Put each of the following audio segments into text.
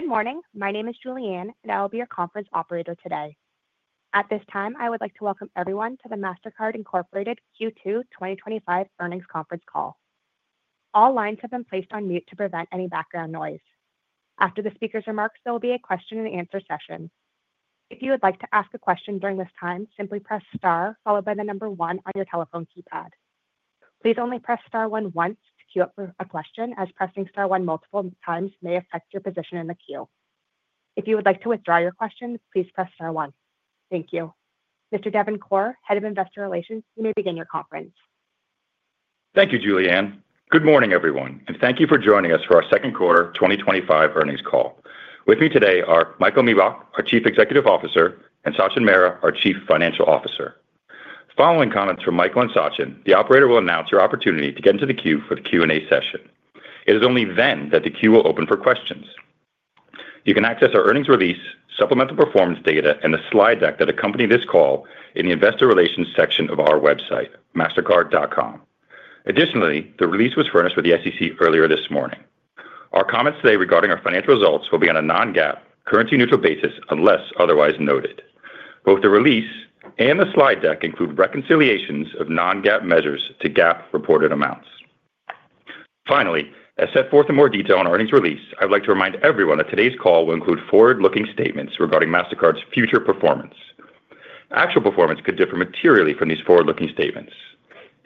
Good morning. My name is Julianne, and I will be your conference operator today. At this time, I would like to welcome everyone to the Mastercard Q2 2025 earnings conference call. All lines have been placed on mute to prevent any background noise. After the speaker's remarks, there will be a question-and-answer session. If you would like to ask a question during this time, simply press star followed by the number one on your telephone keypad. Please only press star one once to queue up for a question, as pressing star one multiple times may affect your position in the queue. If you would like to withdraw your question, please press star one. Thank you. Mr. Devin Corr, Head of Investor Relations, you may begin your conference. Thank you, Julianne. Good morning, everyone, and thank you for joining us for our second quarter 2025 earnings call. With me today are Michael Miebach, our Chief Executive Officer, and Sachin Mehra, our Chief Financial Officer. Following comments from Michael and Sachin, the operator will announce your opportunity to get into the queue for the Q&A session. It is only then that the queue will open for questions. You can access our earnings release, supplemental performance data, and the slide deck that accompany this call in the Investor Relations section of our website, mastercard.com. Additionally, the release was furnished with the SEC earlier this morning. Our comments today regarding our financial results will be on a non-GAAP currency-neutral basis unless otherwise noted. Both the release and the slide deck include reconciliations of non-GAAP measures to GAAP reported amounts. Finally, as set forth in more detail in our earnings release, I'd like to remind everyone that today's call will include forward-looking statements regarding Mastercard's future performance. Actual performance could differ materially from these forward-looking statements.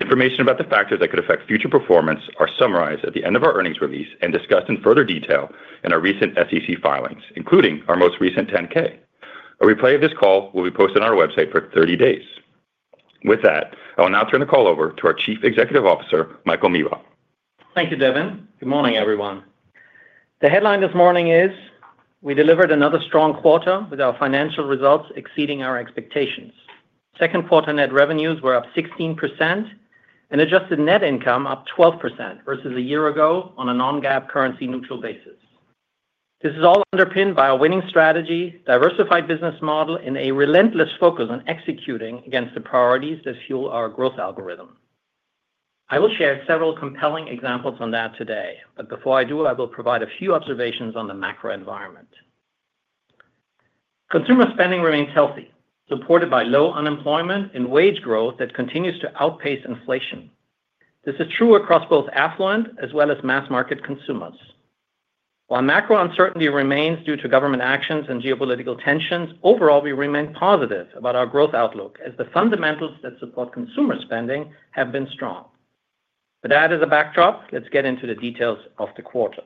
Information about the factors that could affect future performance are summarized at the end of our earnings release and discussed in further detail in our recent SEC filings, including our most recent 10-K. A replay of this call will be posted on our website for 30 days. With that, I will now turn the call over to our Chief Executive Officer, Michael Miebach. Thank you, Devin. Good morning, everyone. The headline this morning is, we delivered another strong quarter with our financial results exceeding our expectations. Second quarter net revenues were up 16% and adjusted net income up 12% versus a year ago on a non-GAAP currency-neutral basis. This is all underpinned by our winning strategy, diversified business model, and a relentless focus on executing against the priorities that fuel our growth algorithm. I will share several compelling examples on that today, but before I do, I will provide a few observations on the macro environment. Consumer spending remains healthy, supported by low unemployment and wage growth that continues to outpace inflation. This is true across both affluent as well as mass-market consumers. While macro uncertainty remains due to government actions and geopolitical tensions, overall, we remain positive about our growth outlook as the fundamentals that support consumer spending have been strong. With that as a backdrop, let's get into the details of the quarter.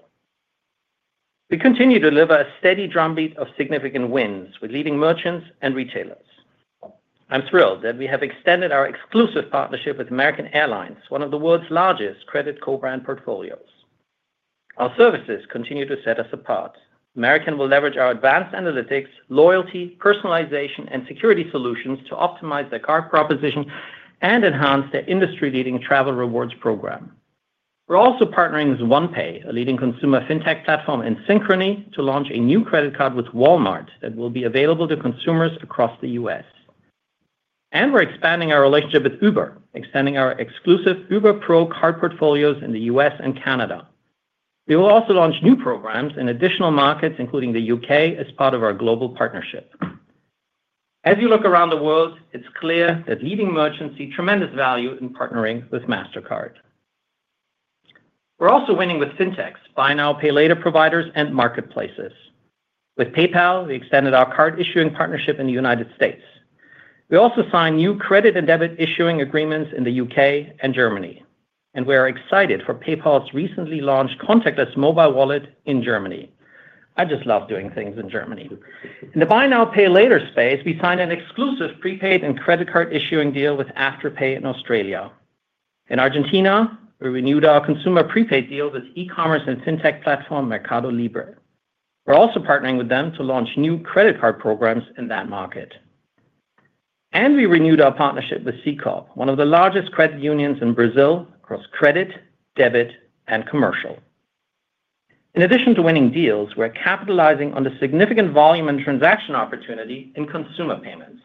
We continue to deliver a steady drumbeat of significant wins with leading merchants and retailers. I'm thrilled that we have extended our exclusive partnership with American Airlines, one of the world's largest credit co-brand portfolios. Our services continue to set us apart. American will leverage our advanced analytics, loyalty, personalization, and security solutions to optimize their card proposition and enhance their industry-leading travel rewards program. We are also partnering with OnePay, a leading consumer fintech platform in Synchrony, to launch a new credit card with Walmart that will be available to consumers across the U.S. We are expanding our relationship with Uber, extending our exclusive Uber Pro card portfolios in the U.S. and Canada. We will also launch new programs in additional markets, including the U.K., as part of our global partnership. As you look around the world, it's clear that leading merchants see tremendous value in partnering with Mastercard. We're also winning with fintechs, buy now, pay later providers, and marketplaces. With PayPal, we extended our card issuing partnership in the U.S. We also signed new credit and debit issuing agreements in the U.K. and Germany, and we are excited for PayPal's recently launched contactless mobile wallet in Germany. I just love doing things in Germany. In the buy now, pay later space, we signed an exclusive prepaid and credit card issuing deal with Afterpay in Australia. In Argentina, we renewed our consumer prepaid deal with e-commerce and fintech platform Mercado Libre. We're also partnering with them to launch new credit card programs in that market. We renewed our partnership with C6 Bank, one of the largest credit unions in Brazil, across credit, debit, and commercial. In addition to winning deals, we're capitalizing on the significant volume and transaction opportunity in consumer payments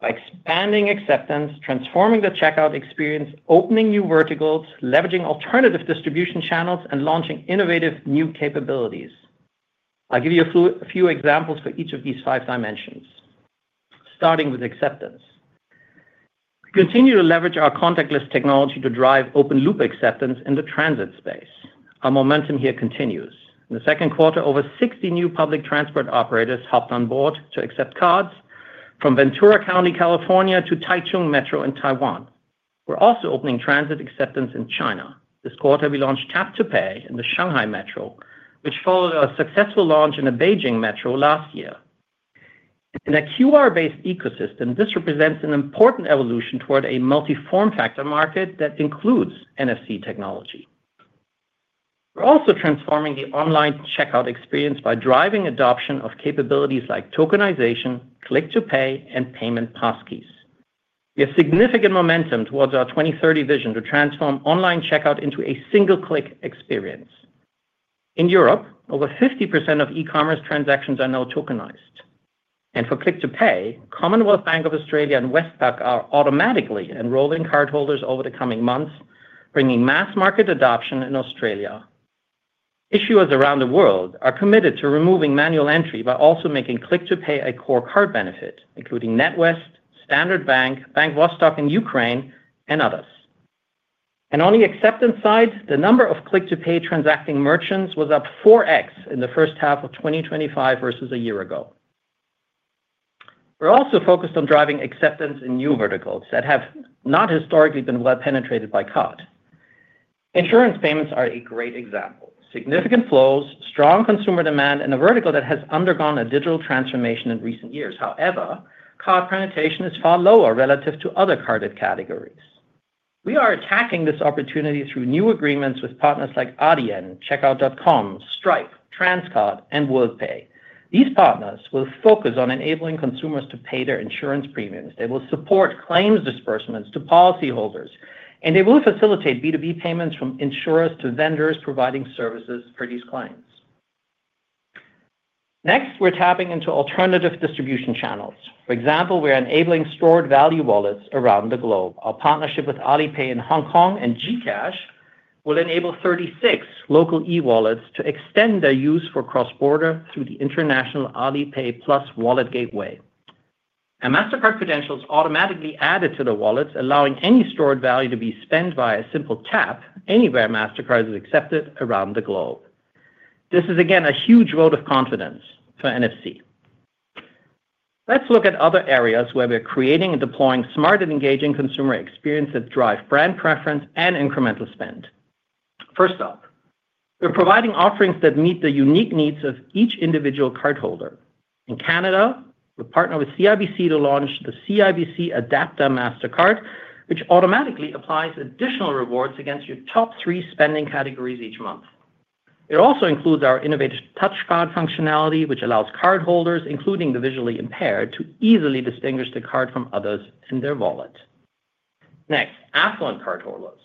by expanding acceptance, transforming the checkout experience, opening new verticals, leveraging alternative distribution channels, and launching innovative new capabilities. I'll give you a few examples for each of these five dimensions, starting with acceptance. We continue to leverage our contactless technology to drive open loop acceptance in the transit space. Our momentum here continues. In the second quarter, over 60 new public transport operators hopped on board to accept cards, from Ventura County, California, to Taichung Metro in Taiwan. We're also opening transit acceptance in China. This quarter, we launched Tap to Pay in the Shanghai Metro, which followed our successful launch in the Beijing Metro last year. In a QR-based ecosystem, this represents an important evolution toward a multi-form factor market that includes NFC technology. We're also transforming the online checkout experience by driving adoption of capabilities like tokenization, Click to Pay, and payment passkeys. We have significant momentum towards our 2030 vision to transform online checkout into a single-click experience. In Europe, over 50% of e-commerce transactions are now tokenized. For Click to Pay, Commonwealth Bank of Australia and Westpac are automatically enrolling cardholders over the coming months, bringing mass market adoption in Australia. Issuers around the world are committed to removing manual entry by also making Click to Pay a core card benefit, including NatWest, Standard Bank, Bank Vostok in Ukraine, and others. On the acceptance side, the number of Click to Pay transacting merchants was up 4x in the first half of 2025 versus a year ago. We're also focused on driving acceptance in new verticals that have not historically been well penetrated by card. Insurance payments are a great example. Significant flows, strong consumer demand, and a vertical that has undergone a digital transformation in recent years. However, card penetration is far lower relative to other carded categories. We are attacking this opportunity through new agreements with partners like Adyen, Checkout.com, Stripe, Transcard, and Worldpay. These partners will focus on enabling consumers to pay their insurance premiums. They will support claims disbursements to policyholders, and they will facilitate B2B payments from insurers to vendors providing services for these clients. Next, we're tapping into alternative distribution channels. For example, we're enabling stored value wallets around the globe. Our partnership with Alipay in Hong Kong and GCash will enable 36 local e-wallets to extend their use for cross-border through the international Alipay Plus wallet gateway. Mastercard credentials automatically added to the wallets, allowing any stored value to be spent via a simple tap anywhere Mastercard is accepted around the globe. This is, again, a huge vote of confidence for NFC. Let's look at other areas where we're creating and deploying smart and engaging consumer experience that drive brand preference and incremental spend. First up, we're providing offerings that meet the unique needs of each individual cardholder. In Canada, we partner with CIBC to launch the CIBC Adapter Mastercard, which automatically applies additional rewards against your top three spending categories each month. It also includes our innovative touch card functionality, which allows cardholders, including the visually impaired, to easily distinguish the card from others in their wallet. Next, affluent cardholders.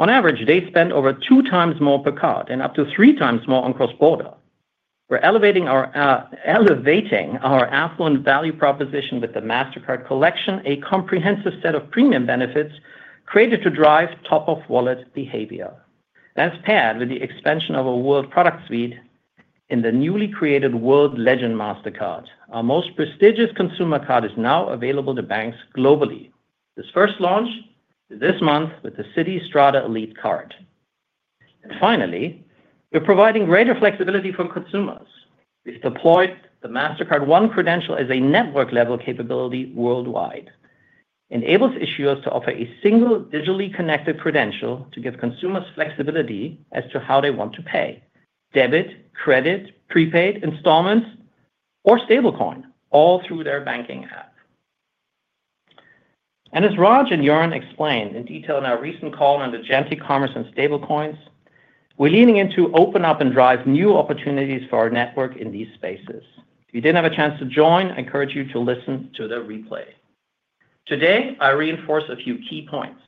On average, they spend over two times more per card and up to three times more on cross-border. We're elevating our affluent value proposition with the Mastercard Collection, a comprehensive set of premium benefits created to drive top-of-wallet behavior. That's paired with the expansion of our world product suite in the newly created World Legend Mastercard. Our most prestigious consumer card is now available to banks globally. This first launch is this month with the Citi Strada Elite Card. Finally, we're providing greater flexibility for consumers. We've deployed the Mastercard One Credential as a network-level capability worldwide. It enables issuers to offer a single digitally connected credential to give consumers flexibility as to how they want to pay: debit, credit, prepaid, installments, or stablecoin, all through their banking app. As Raj and Jorn explained in detail in our recent call on the giant e-commerce and stablecoins, we're leaning in to open up and drive new opportunities for our network in these spaces. If you didn't have a chance to join, I encourage you to listen to the replay. Today, I reinforce a few key points.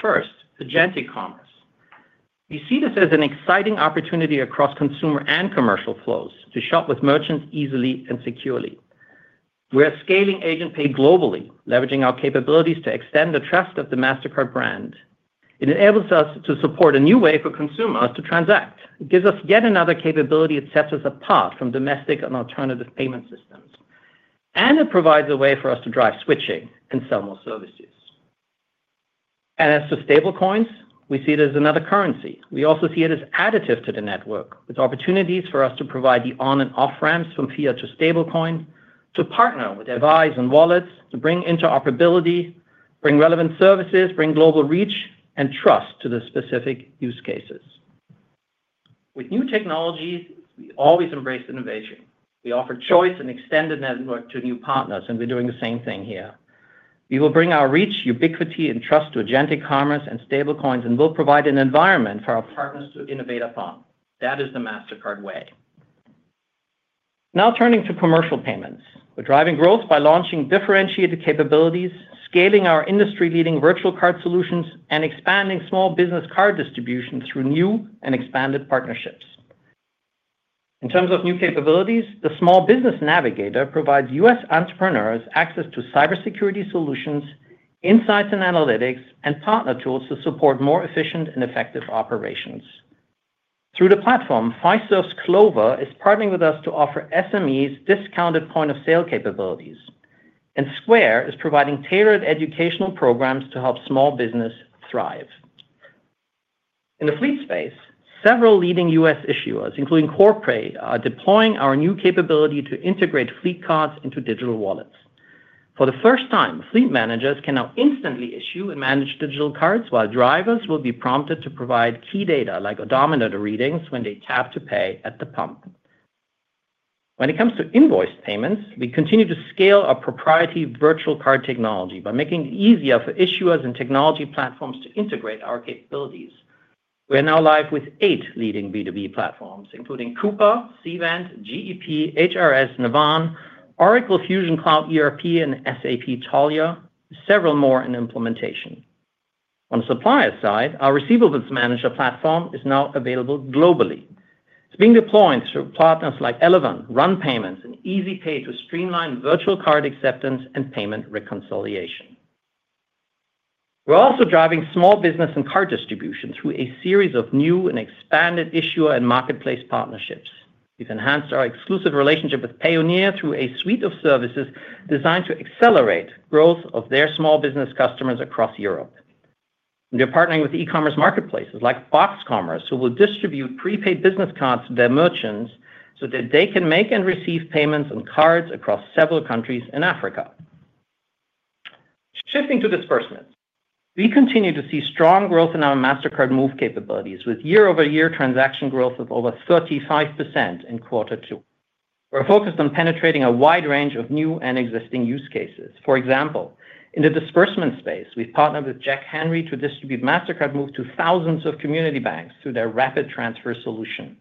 First, the giant e-commerce. We see this as an exciting opportunity across consumer and commercial flows to shop with merchants easily and securely. We're scaling agent pay globally, leveraging our capabilities to extend the trust of the Mastercard brand. It enables us to support a new way for consumers to transact. It gives us yet another capability. It sets us apart from domestic and alternative payment systems. It provides a way for us to drive switching and sell more services. As for stablecoins, we see it as another currency. We also see it as additive to the network, with opportunities for us to provide the on- and off-ramps from fiat to stablecoin, to partner with device and wallets, to bring interoperability, bring relevant services, bring global reach, and trust to the specific use cases. With new technologies, we always embrace innovation. We offer choice and extended network to new partners, and we are doing the same thing here. We will bring our reach, ubiquity, and trust to agentic commerce and stablecoins and will provide an environment for our partners to innovate upon. That is the Mastercard Way. Now turning to commercial payments. We are driving growth by launching differentiated capabilities, scaling our industry-leading virtual card solutions, and expanding small business card distribution through new and expanded partnerships. In terms of new capabilities, the Small Business Navigator provides U.S. entrepreneurs access to cybersecurity solutions, insights and analytics, and partner tools to support more efficient and effective operations. Through the platform, Fiserv's Clover is partnering with us to offer SMEs discounted point-of-sale capabilities. Square is providing tailored educational programs to help small business thrive. In the fleet space, several leading U.S. issuers, including Corpay, are deploying our new capability to integrate fleet cards into digital wallets. For the first time, fleet managers can now instantly issue and manage digital cards while drivers will be prompted to provide key data like odometer readings when they tap to pay at the pump. When it comes to invoice payments, we continue to scale our proprietary virtual card technology by making it easier for issuers and technology platforms to integrate our capabilities. We're now live with eight leading B2B platforms, including Coupa, Cvent, GEP, HRS, Navan, Oracle Fusion Cloud ERP, and SAP Taulia, several more in implementation. On the supplier side, our receivables manager platform is now available globally. It's being deployed through partners like Eleven, Run Payments, and EasyPay to streamline virtual card acceptance and payment reconciliation. We're also driving small business and card distribution through a series of new and expanded issuer and marketplace partnerships. We've enhanced our exclusive relationship with Payoneer through a suite of services designed to accelerate growth of their small business customers across Europe. We're partnering with e-commerce marketplaces like BoxCommerce, who will distribute prepaid business cards to their merchants so that they can make and receive payments on cards across several countries in Africa. Shifting to disbursements, we continue to see strong growth in our Mastercard Move capabilities with YoY transaction growth of over 35% in quarter two. We're focused on penetrating a wide range of new and existing use cases. For example, in the disbursement space, we've partnered with Jack Henry to distribute Mastercard Move to thousands of community banks through their rapid transfer solution.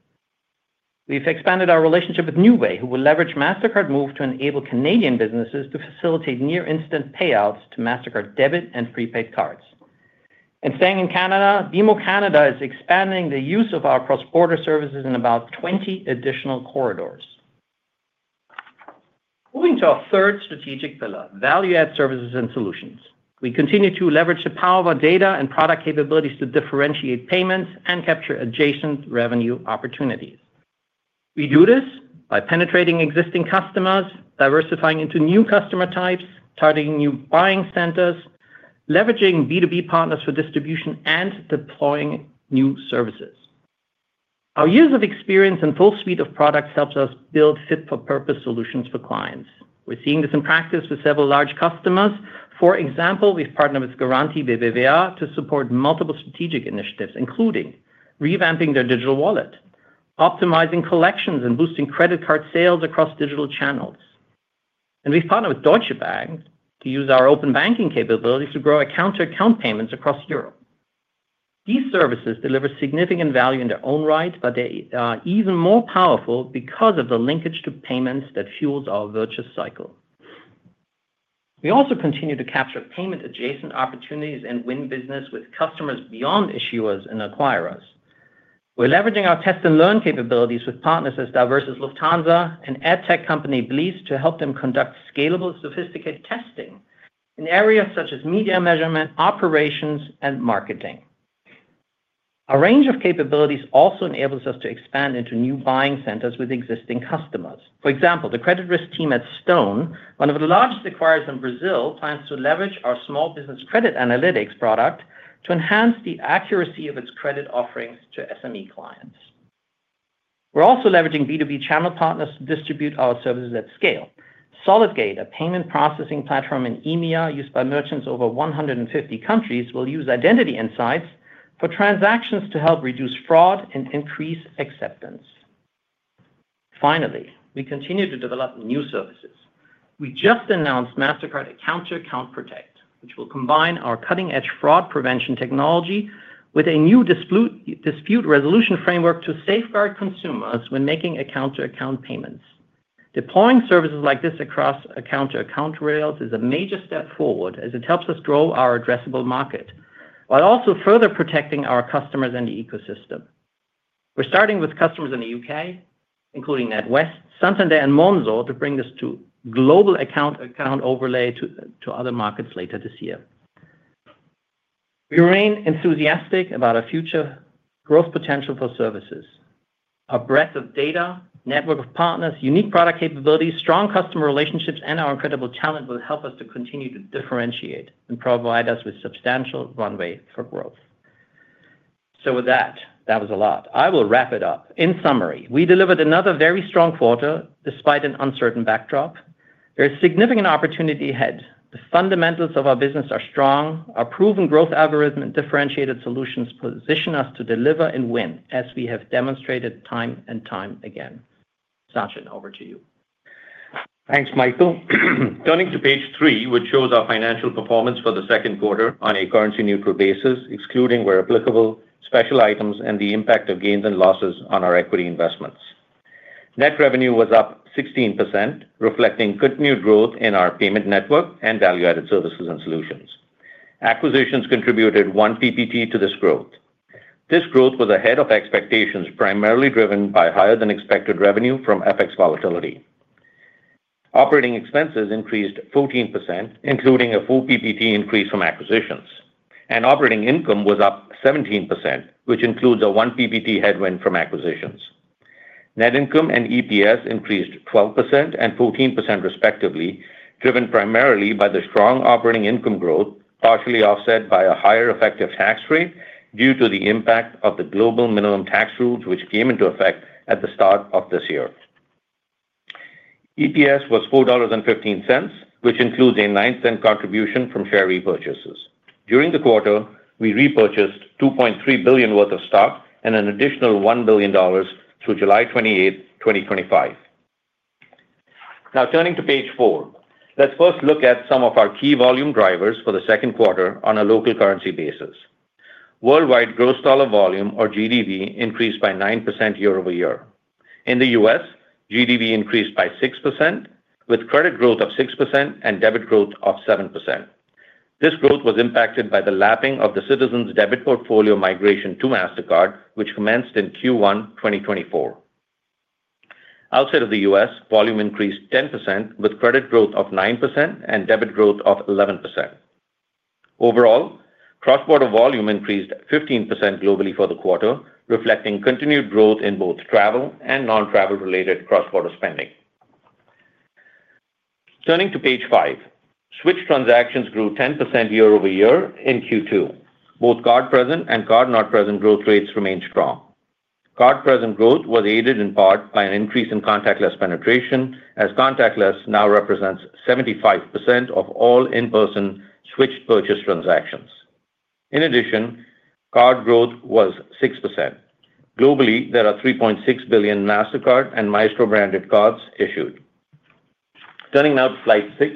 have expanded our relationship with NewWay, who will leverage Mastercard Move to enable Canadian businesses to facilitate near-instant payouts to Mastercard debit and prepaid cards. Staying in Canada, BMO Canada is expanding the use of our cross-border services in about 20 additional corridors. Moving to our third strategic pillar, value-add services and solutions. We continue to leverage the power of our data and product capabilities to differentiate payments and capture adjacent revenue opportunities. We do this by penetrating existing customers, diversifying into new customer types, targeting new buying centers, leveraging B2B partners for distribution, and deploying new services. Our years of experience and full suite of products help us build fit-for-purpose solutions for clients. We are seeing this in practice with several large customers. For example, we've partnered with Garanti BBVA to support multiple strategic initiatives, including revamping their digital wallet, optimizing collections, and boosting credit card sales across digital channels. We have partnered with Deutsche Bank to use our open banking capabilities to grow account-to-account payments across Europe. These services deliver significant value in their own right, but they are even more powerful because of the linkage to payments that fuels our virtuous cycle. We also continue to capture payment-adjacent opportunities and win business with customers beyond issuers and acquirers. We're leveraging our test-and-learn capabilities with partners as diverse as Lufthansa and ad tech company BLISS to help them conduct scalable, sophisticated testing in areas such as media measurement, operations, and marketing. Our range of capabilities also enables us to expand into new buying centers with existing customers. For example, the credit risk team at Stone, one of the largest acquirers in Brazil, plans to leverage our small business credit analytics product to enhance the accuracy of its credit offerings to SME clients. We're also leveraging B2B channel partners to distribute our services at scale. Solidgate, a payment processing platform in EMEA used by merchants in over 150 countries, will use identity insights for transactions to help reduce fraud and increase acceptance. Finally, we continue to develop new services. We just announced Mastercard Account-to-Account Protect, which will combine our cutting-edge fraud prevention technology with a new dispute resolution framework to safeguard consumers when making account-to-account payments. Deploying services like this across account-to-account rails is a major step forward as it helps us grow our addressable market while also further protecting our customers and the ecosystem. We're starting with customers in the U.K., including NatWest, Santander, and Monzo, to bring this global account-to-account overlay to other markets later this year. We remain enthusiastic about our future growth potential for services. Our breadth of data, network of partners, unique product capabilities, strong customer relationships, and our incredible talent will help us to continue to differentiate and provide us with substantial runway for growth. That was a lot. I will wrap it up. In summary, we delivered another very strong quarter despite an uncertain backdrop. There is significant opportunity ahead. The fundamentals of our business are strong. Our proven growth algorithm and differentiated solutions position us to deliver and win as we have demonstrated time and time again. Sachin, over to you. Thanks, Michael. Turning to page three, which shows our financial performance for the second quarter on a currency-neutral basis, excluding where applicable, special items, and the impact of gains and losses on our equity investments. Net revenue was up 16%, reflecting continued growth in our payment network and value-added services and solutions. Acquisitions contributed one percentage point to this growth. This growth was ahead of expectations, primarily driven by higher-than-expected revenue from FX volatility. Operating expenses increased 14%, including a full percentage point increase from acquisitions. Operating income was up 17%, which includes a one percentage point headwind from acquisitions. Net income and EPS increased 12% and 14% respectively, driven primarily by the strong operating income growth, partially offset by a higher effective tax rate due to the impact of the global minimum tax rules, which came into effect at the start of this year. EPS was $4.15, which includes a nine-cent contribution from share repurchases. During the quarter, we repurchased $2.3 billion worth of stock and an additional $1 billion through July 28, 2025. Now turning to page four, let's first look at some of our key volume drivers for the second quarter on a local currency basis. Worldwide, gross dollar volume, or GDV, increased by 9% YoY. In the U.S., GDV increased by 6%, with credit growth of 6% and debit growth of 7%. This growth was impacted by the lapping of the Citizens' debit portfolio migration to Mastercard, which commenced in Q1, 2024. Outside of the U.S., volume increased 10%, with credit growth of 9% and debit growth of 11%. Overall, cross-border volume increased 15% globally for the quarter, reflecting continued growth in both travel and non-travel-related cross-border spending. Turning to page five, switch transactions grew 10% YoY in Q2. Both card-present and card-not-present growth rates remained strong. Card-present growth was aided in part by an increase in contactless penetration, as contactless now represents 75% of all in-person switch purchase transactions. In addition, card growth was 6%. Globally, there are 3.6 billion Mastercard and Maestro branded cards issued. Turning now to slide six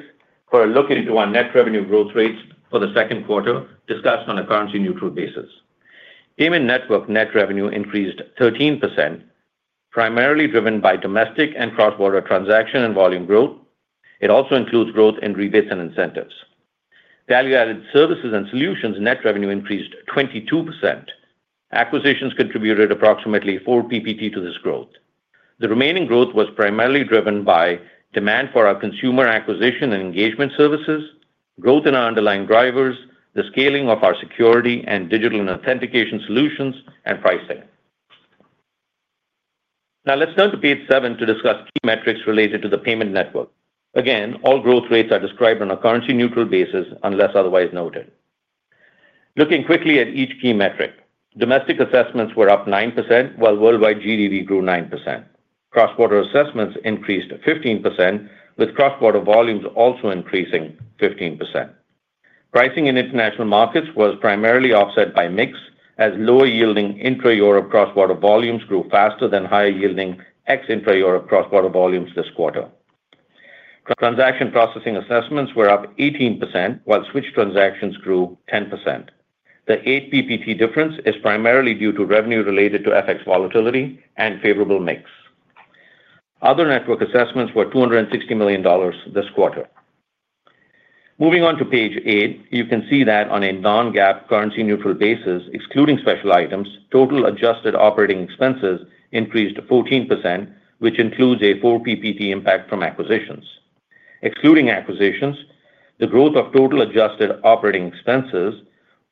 for a look into our net revenue growth rates for the second quarter discussed on a currency-neutral basis. Payment network net revenue increased 13%, primarily driven by domestic and cross-border transaction and volume growth. It also includes growth in rebates and incentives. Value-added services and solutions net revenue increased 22%. Acquisitions contributed approximately four ppt to this growth. The remaining growth was primarily driven by demand for our consumer acquisition and engagement services, growth in our underlying drivers, the scaling of our security and digital and authentication solutions, and pricing. Now let's turn to page seven to discuss key metrics related to the payment network. Again, all growth rates are described on a currency-neutral basis unless otherwise noted. Looking quickly at each key metric, domestic assessments were up 9% while worldwide GDV grew 9%. Cross-border assessments increased 15%, with cross-border volumes also increasing 15%. Pricing in international markets was primarily offset by mix as lower-yielding intra-Europe cross-border volumes grew faster than higher-yielding ex-intra-Europe cross-border volumes this quarter. Transaction processing assessments were up 18% while switch transactions grew 10%. The eight percentage point difference is primarily due to revenue related to FX volatility and favorable mix. Other network assessments were $260 million this quarter. Moving on to page eight, you can see that on a non-GAAP currency-neutral basis, excluding special items, total adjusted operating expenses increased 14%, which includes a full ppt impact from acquisitions. Excluding acquisitions, the growth of total adjusted operating expenses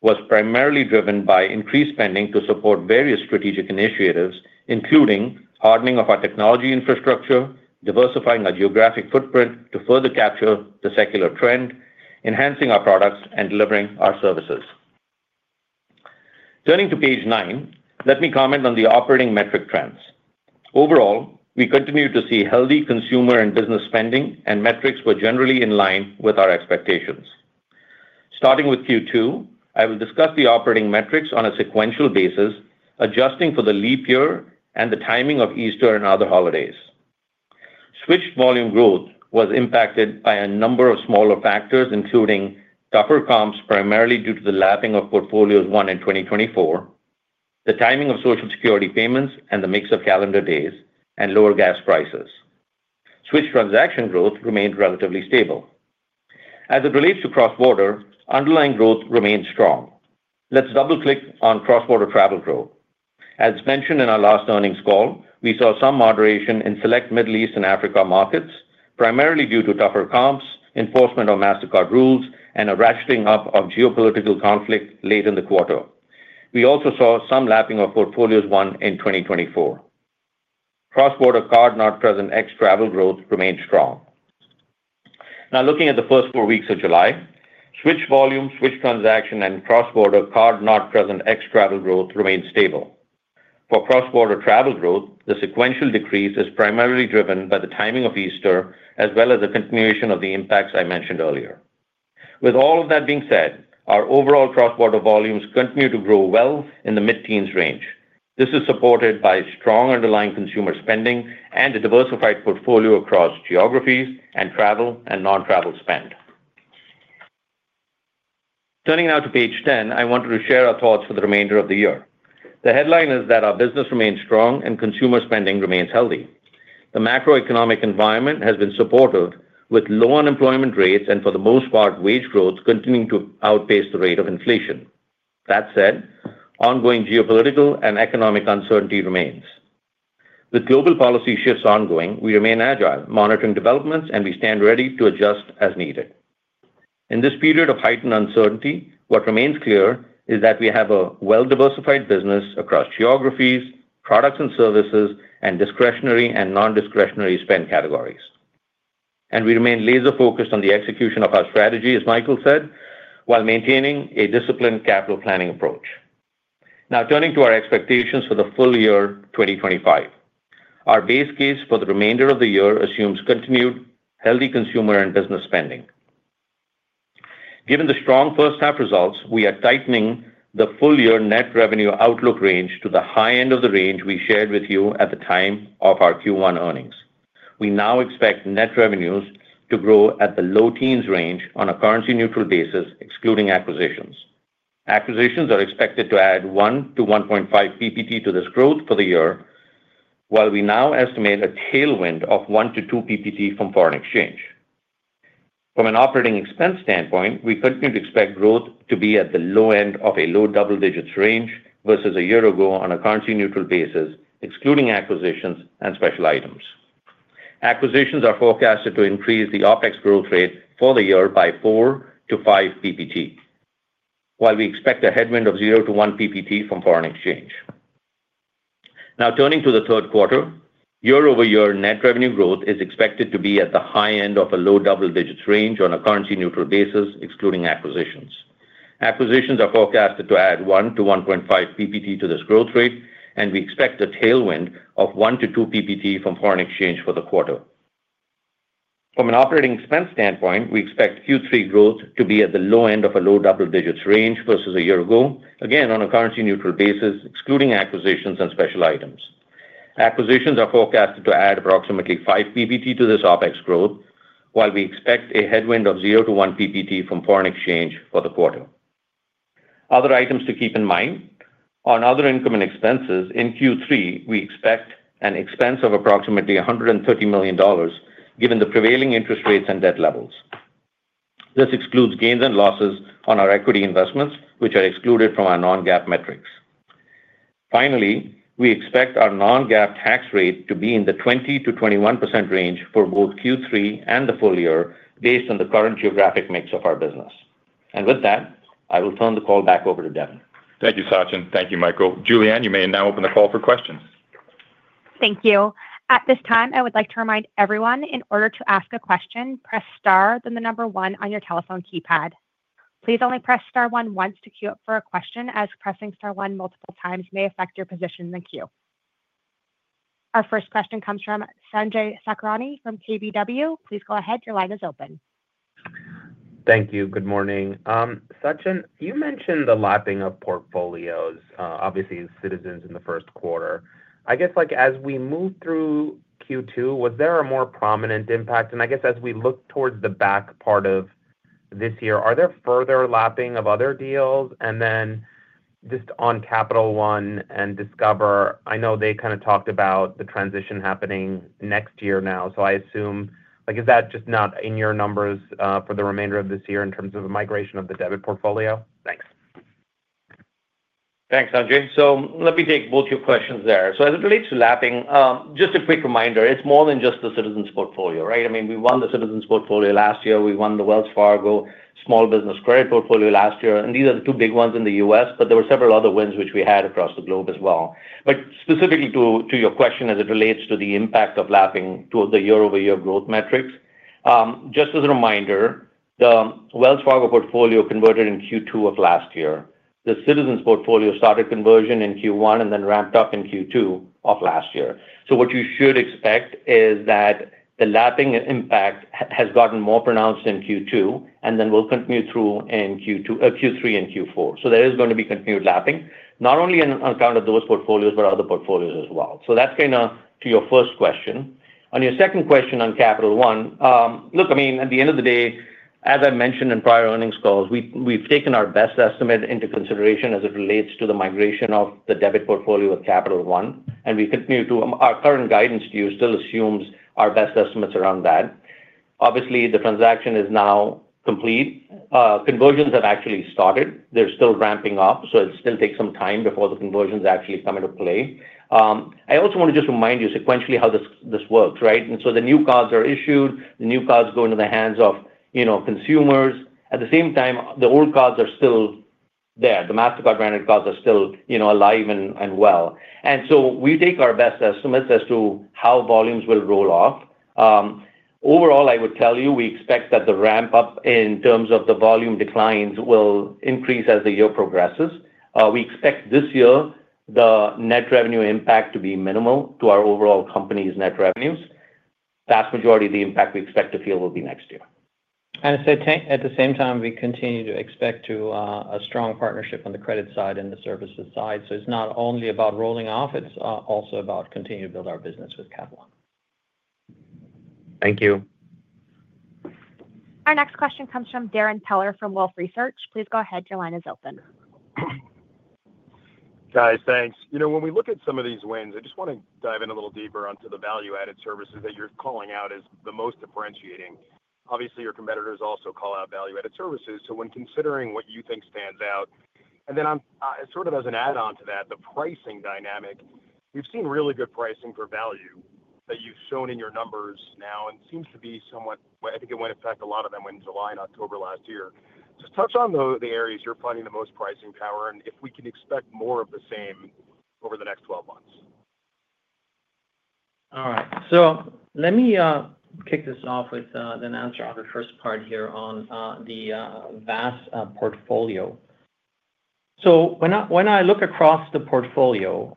was primarily driven by increased spending to support various strategic initiatives, including hardening of our technology infrastructure, diversifying our geographic footprint to further capture the secular trend, enhancing our products, and delivering our services. Turning to page nine, let me comment on the operating metric trends. Overall, we continue to see healthy consumer and business spending, and metrics were generally in line with our expectations. Starting with Q2, I will discuss the operating metrics on a sequential basis, adjusting for the leap year and the timing of Easter and other holidays. Switch volume growth was impacted by a number of smaller factors, including tougher comps primarily due to the lapping of portfolios won in 2024, the timing of Social Security payments, and the mix of calendar days and lower gas prices. Switch transaction growth remained relatively stable. As it relates to cross-border, underlying growth remained strong. Let's double-click on cross-border travel growth. As mentioned in our last earnings call, we saw some moderation in select Middle East and Africa markets, primarily due to tougher comps, enforcement of Mastercard rules, and a ratcheting up of geopolitical conflict late in the quarter. We also saw some lapping of portfolios won in 2024. Cross-border card-not-present ex-travel growth remained strong. Now looking at the first four weeks of July, switch volume, switch transaction, and cross-border card-not-present ex-travel growth remained stable. For cross-border travel growth, the sequential decrease is primarily driven by the timing of Easter as well as the continuation of the impacts I mentioned earlier. With all of that being said, our overall cross-border volumes continue to grow well in the mid-teens range. This is supported by strong underlying consumer spending and a diversified portfolio across geographies and travel and non-travel spend. Turning now to page 10, I wanted to share our thoughts for the remainder of the year. The headline is that our business remains strong and consumer spending remains healthy. The macroeconomic environment has been supportive with low unemployment rates and, for the most part, wage growth continuing to outpace the rate of inflation. That said, ongoing geopolitical and economic uncertainty remains. With global policy shifts ongoing, we remain agile, monitoring developments, and we stand ready to adjust as needed. In this period of heightened uncertainty, what remains clear is that we have a well-diversified business across geographies, products and services, and discretionary and non-discretionary spend categories. We remain laser-focused on the execution of our strategy, as Michael said, while maintaining a disciplined capital planning approach. Now turning to our expectations for the full year 2025, our base case for the remainder of the year assumes continued healthy consumer and business spending. Given the strong first-half results, we are tightening the full year net revenue outlook range to the high end of the range we shared with you at the time of our Q1 earnings. We now expect net revenues to grow at the low teens range on a currency-neutral basis, excluding acquisitions. Acquisitions are expected to add 1-1.5 ppt to this growth for the year, while we now estimate a tailwind of 1-2 ppt from foreign exchange. From an operating expense standpoint, we continue to expect growth to be at the low end of a low double-digits range versus a year ago on a currency-neutral basis, excluding acquisitions and special items. Acquisitions are forecasted to increase the operating expense growth rate for the year by 4-5 ppt, while we expect a headwind of 0-1 ppt from foreign exchange. Now turning to the third quarter, YoY net revenue growth is expected to be at the high end of a low double-digits range on a currency-neutral basis, excluding acquisitions. Acquisitions are forecasted to add 1-1.5 ppt to this growth rate, and we expect a tailwind of 1-2 ppt from foreign exchange for the quarter. From an operating expense standpoint, we expect Q3 growth to be at the low end of a low double-digits range versus a year ago, again on a currency-neutral basis, excluding acquisitions and special items. Acquisitions are forecasted to add approximately 5 ppt to this operating expense growth, while we expect a headwind of 0-1 ppt from foreign exchange for the quarter. Other items to keep in mind: on other income and expenses, in Q3, we expect an expense of approximately $130 million given the prevailing interest rates and debt levels. This excludes gains and losses on our equity investments, which are excluded from our non-GAAP metrics. Finally, we expect our non-GAAP tax rate to be in the 20-21% range for both Q3 and the full year based on the current geographic mix of our business. With that, I will turn the call back over to Devin. Thank you, Sachin. Thank you, Michael. Julianne, you may now open the call for questions. Thank you. At this time, I would like to remind everyone in order to ask a question, press star, then the number one on your telephone keypad. Please only press star one once to queue up for a question, as pressing star one multiple times may affect your position in the queue. Our first question comes from Sanjay Sakhrani from KBW. Please go ahead. Your line is open. Thank you. Good morning. Sachin, you mentioned the lapping of portfolios, obviously Citizens in the first quarter. I guess as we move through Q2, was there a more prominent impact? I guess as we look towards the back part of this year, are there further lapping of other deals? Just on Capital One and Discover, I know they kind of talked about the transition happening next year now, so I assume is that just not in your numbers for the remainder of this year in terms of the migration of the debit portfolio? Thanks. Thanks, Sanjay. Let me take both your questions there. As it relates to lapping, just a quick reminder, it's more than just the Citizens' portfolio, right? I mean, we won the Citizens' portfolio last year. We won the Wells Fargo small business credit portfolio last year. These are the two big ones in the U.S., but there were several other wins which we had across the globe as well. Specifically to your question as it relates to the impact of lapping to the YoY growth metrics, just as a reminder, the Wells Fargo portfolio converted in Q2 of last year. The Citizens portfolio started conversion in Q1 and then ramped up in Q2 of last year. What you should expect is that the lapping impact has gotten more pronounced in Q2 and then will continue through in Q3 and Q4. There is going to be continued lapping, not only on account of those portfolios, but other portfolios as well. That's kind of to your first question. On your second question on Capital One, look, I mean, at the end of the day, as I mentioned in prior earnings calls, we've taken our best estimate into consideration as it relates to the migration of the debit portfolio with Capital One, and we continue to our current guidance view still assumes our best estimates around that. Obviously, the transaction is now complete. Conversions have actually started. They're still ramping up, so it'll still take some time before the conversions actually come into play. I also want to just remind you sequentially how this works, right? The new cards are issued, the new cards go into the hands of consumers. At the same time, the old cards are still there. The Mastercard branded cards are still alive and well. We take our best estimates as to how volumes will roll off. Overall, I would tell you we expect that the ramp-up in terms of the volume declines will increase as the year progresses. We expect this year the net revenue impact to be minimal to our overall company's net revenues. The vast majority of the impact we expect to feel will be next year. At the same time, we continue to expect a strong partnership on the credit side and the services side. It is not only about rolling off, it is also about continuing to build our business with Capital One. Thank you. Our next question comes from Darren Teller from Wolfe Research. Please go ahead. Your line is open. Guys, thanks. When we look at some of these wins, I just want to dive in a little deeper onto the value-added services that you're calling out as the most differentiating. Obviously, your competitors also call out value-added services. When considering what you think stands out, and then sort of as an add-on to that, the pricing dynamic, we've seen really good pricing for value that you've shown in your numbers now, and it seems to be somewhat, I think it went in effect a lot of them in July and October last year. Just touch on the areas you're finding the most pricing power and if we can expect more of the same over the next 12 months. All right. Let me kick this off with the announcer on the first part here on the vast portfolio. When I look across the portfolio,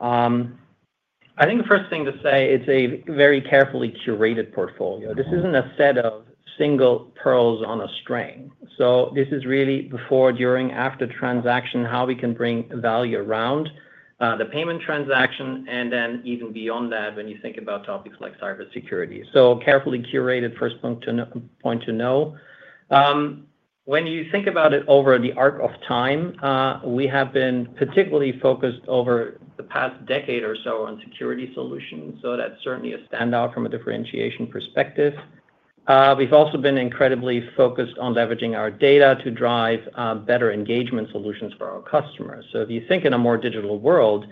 I think the first thing to say, it's a very carefully curated portfolio. This isn't a set of single pearls on a string. This is really before, during, after transaction, how we can bring value around the payment transaction, and then even beyond that when you think about topics like cybersecurity. Carefully curated, first point to know. When you think about it over the arc of time, we have been particularly focused over the past decade or so on security solutions. That is certainly a standout from a differentiation perspective. We have also been incredibly focused on leveraging our data to drive better engagement solutions for our customers. If you think in a more digital world,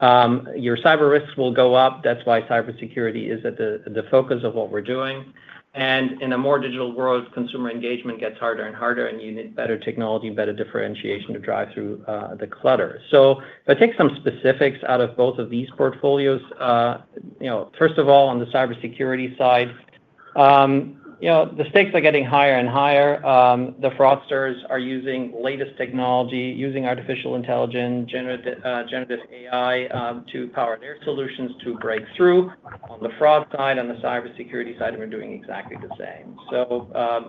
your cyber risks will go up. That is why cybersecurity is at the focus of what we are doing. In a more digital world, consumer engagement gets harder and harder, and you need better technology, better differentiation to drive through the clutter. If I take some specifics out of both of these portfolios, first of all, on the cybersecurity side, the stakes are getting higher and higher. The fraudsters are using latest technology, using artificial intelligence, generative AI to power their solutions to break through. On the fraud side, on the cybersecurity side, we're doing exactly the same.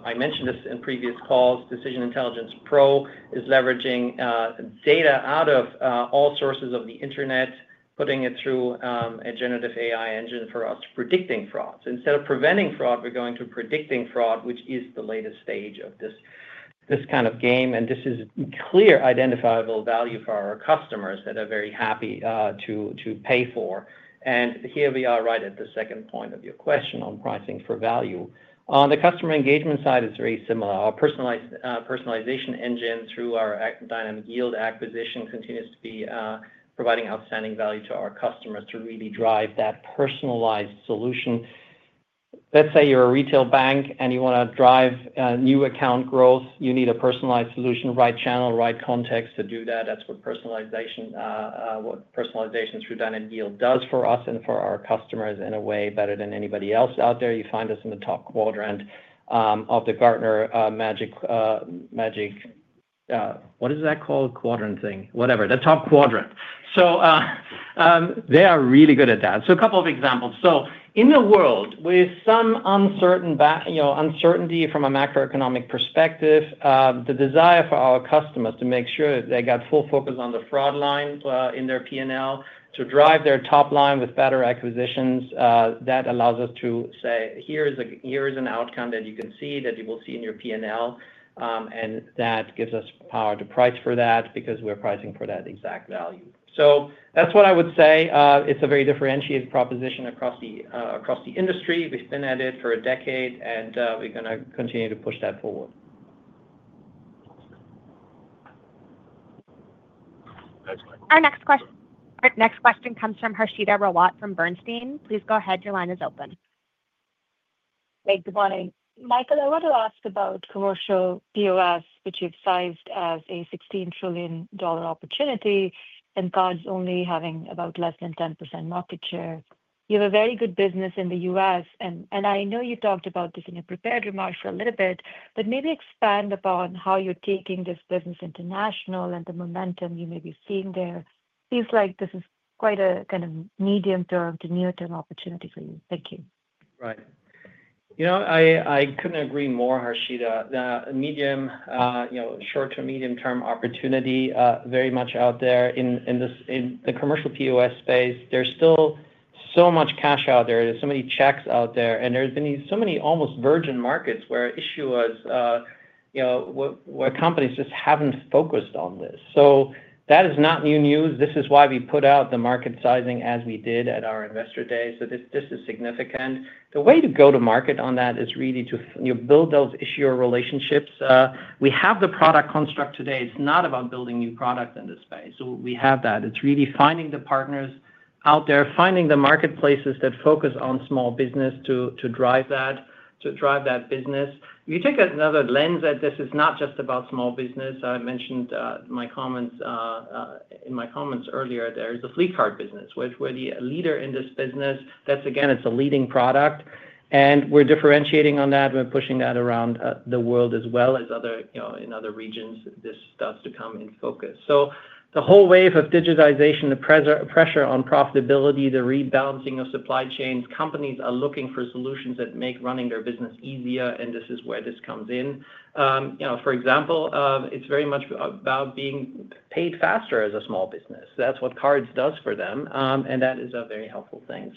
I mentioned this in previous calls. Decision Intelligence Pro is leveraging data out of all sources of the internet, putting it through a generative AI engine for us predicting frauds. Instead of preventing fraud, we're going to predicting fraud, which is the latest stage of this kind of game. This is clear identifiable value for our customers that are very happy to pay for. Here we are right at the second point of your question on pricing for value. On the customer engagement side, it's very similar. Our personalization engine through our Dynamic Yield acquisition continues to be providing outstanding value to our customers to really drive that personalized solution. Let's say you're a retail bank and you want to drive new account growth. You need a personalized solution, right channel, right context to do that. That's what personalization through Dynamic Yield does for us and for our customers in a way better than anybody else out there. You find us in the top quadrant of the Gartner Magic—what is that called? Quadrant thing. Whatever. The top quadrant. They are really good at that. A couple of examples. In the world with some uncertainty from a macroeconomic perspective, the desire for our customers to make sure that they got full focus on the fraud line in their P&L to drive their top line with better acquisitions, that allows us to say, "Here is an outcome that you can see, that you will see in your P&L," and that gives us power to price for that because we're pricing for that exact value. That's what I would say. It's a very differentiated proposition across the industry. We've been at it for a decade, and we're going to continue to push that forward. Our next question comes from Harshita Rawat from Bernstein. Please go ahead. Your line is open. Hey, good morning. Michael, I want to ask about commercial POS, which you've sized as a $16 trillion opportunity and cards only having about less than 10% market share. You have a very good business in the U.S., and I know you talked about this in your prepared remarks for a little bit, but maybe expand upon how you're taking this business international and the momentum you may be seeing there. It seems like this is quite a kind of medium-term to near-term opportunity for you. Thank you. Right. I couldn't agree more, Harshita. Medium, short-term, medium-term opportunity very much out there. In the commercial POS space, there's still so much cash out there. There's so many checks out there. And there have been so many almost virgin markets where the issue was where companies just haven't focused on this. That is not new news. This is why we put out the market sizing as we did at our Investor Day. This is significant. The way to go to market on that is really to build those issuer relationships. We have the product construct today. It's not about building new products in this space. We have that. It's really finding the partners out there, finding the marketplaces that focus on small business to drive that business. If you take another lens at this, it's not just about small business. I mentioned in my comments earlier, there is the fleet card business, which we're the leader in this business. That's, again, it's a leading product. We're differentiating on that. We're pushing that around the world as well as in other regions. This starts to come in focus. The whole wave of digitization, the pressure on profitability, the rebalancing of supply chains, companies are looking for solutions that make running their business easier, and this is where this comes in. For example, it's very much about being paid faster as a small business. That's what cards does for them, and that is a very helpful thing.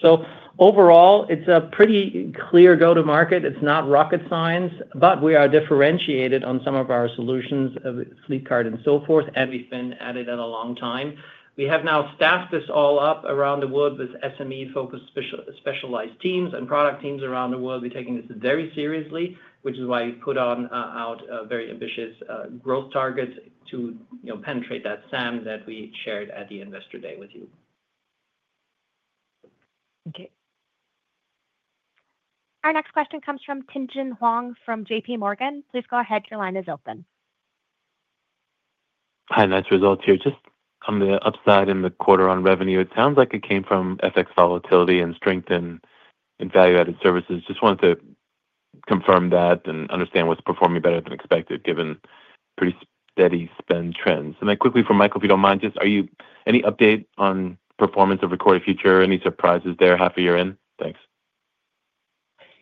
Overall, it's a pretty clear go-to-market. It's not rocket science, but we are differentiated on some of our solutions of fleet card and so forth, and we've been at it a long time. We have now staffed this all up around the world with SME-focused specialized teams and product teams around the world. We're taking this very seriously, which is why we put out very ambitious growth targets to penetrate that SAM that we shared at the investor day with you. Okay. Our next question comes from Tien-tsin Huang from JPMorgan. Please go ahead. Your line is open. Hi, nice results here. Just on the upside in the quarter on revenue, it sounds like it came from FX volatility and strength in value-added services. Just wanted to confirm that and understand what's performing better than expected given pretty steady spend trends. Quickly for Michael, if you don't mind, just any update on performance of Recorded Future? Any surprises there half a year in? Thanks.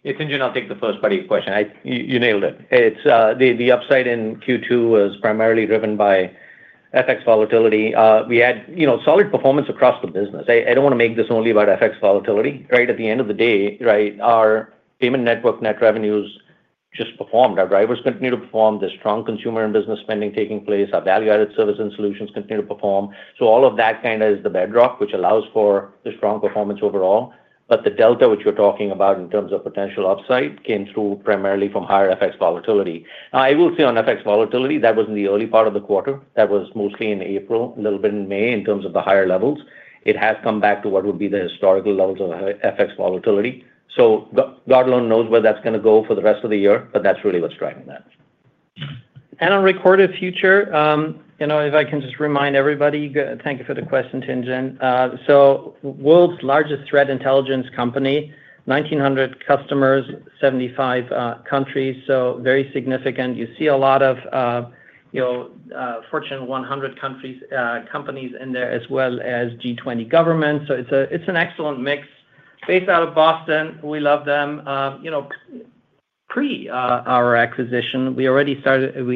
Yeah, Tien-tsin, I'll take the first part of your question. You nailed it. The upside in Q2 was primarily driven by FX volatility. We had solid performance across the business. I don't want to make this only about FX volatility. At the end of the day, our payment network net revenues just performed. Our drivers continue to perform. There's strong consumer and business spending taking place. Our value-added services and solutions continue to perform. All of that kind of is the bedrock, which allows for the strong performance overall. The delta which you're talking about in terms of potential upside came through primarily from higher FX volatility. Now, I will say on FX volatility, that was in the early part of the quarter. That was mostly in April, a little bit in May in terms of the higher levels. It has come back to what would be the historical levels of FX volatility. God alone knows where that's going to go for the rest of the year, but that's really what's driving that. On Recorded Future, if I can just remind everybody, thank you for the question, Tien-tsin. World's largest threat intelligence company, 1,900 customers, 75 countries, so very significant. You see a lot of Fortune 100 companies in there as well as G20 governments. It's an excellent mix. Based out of Boston, we love them. Pre our acquisition, we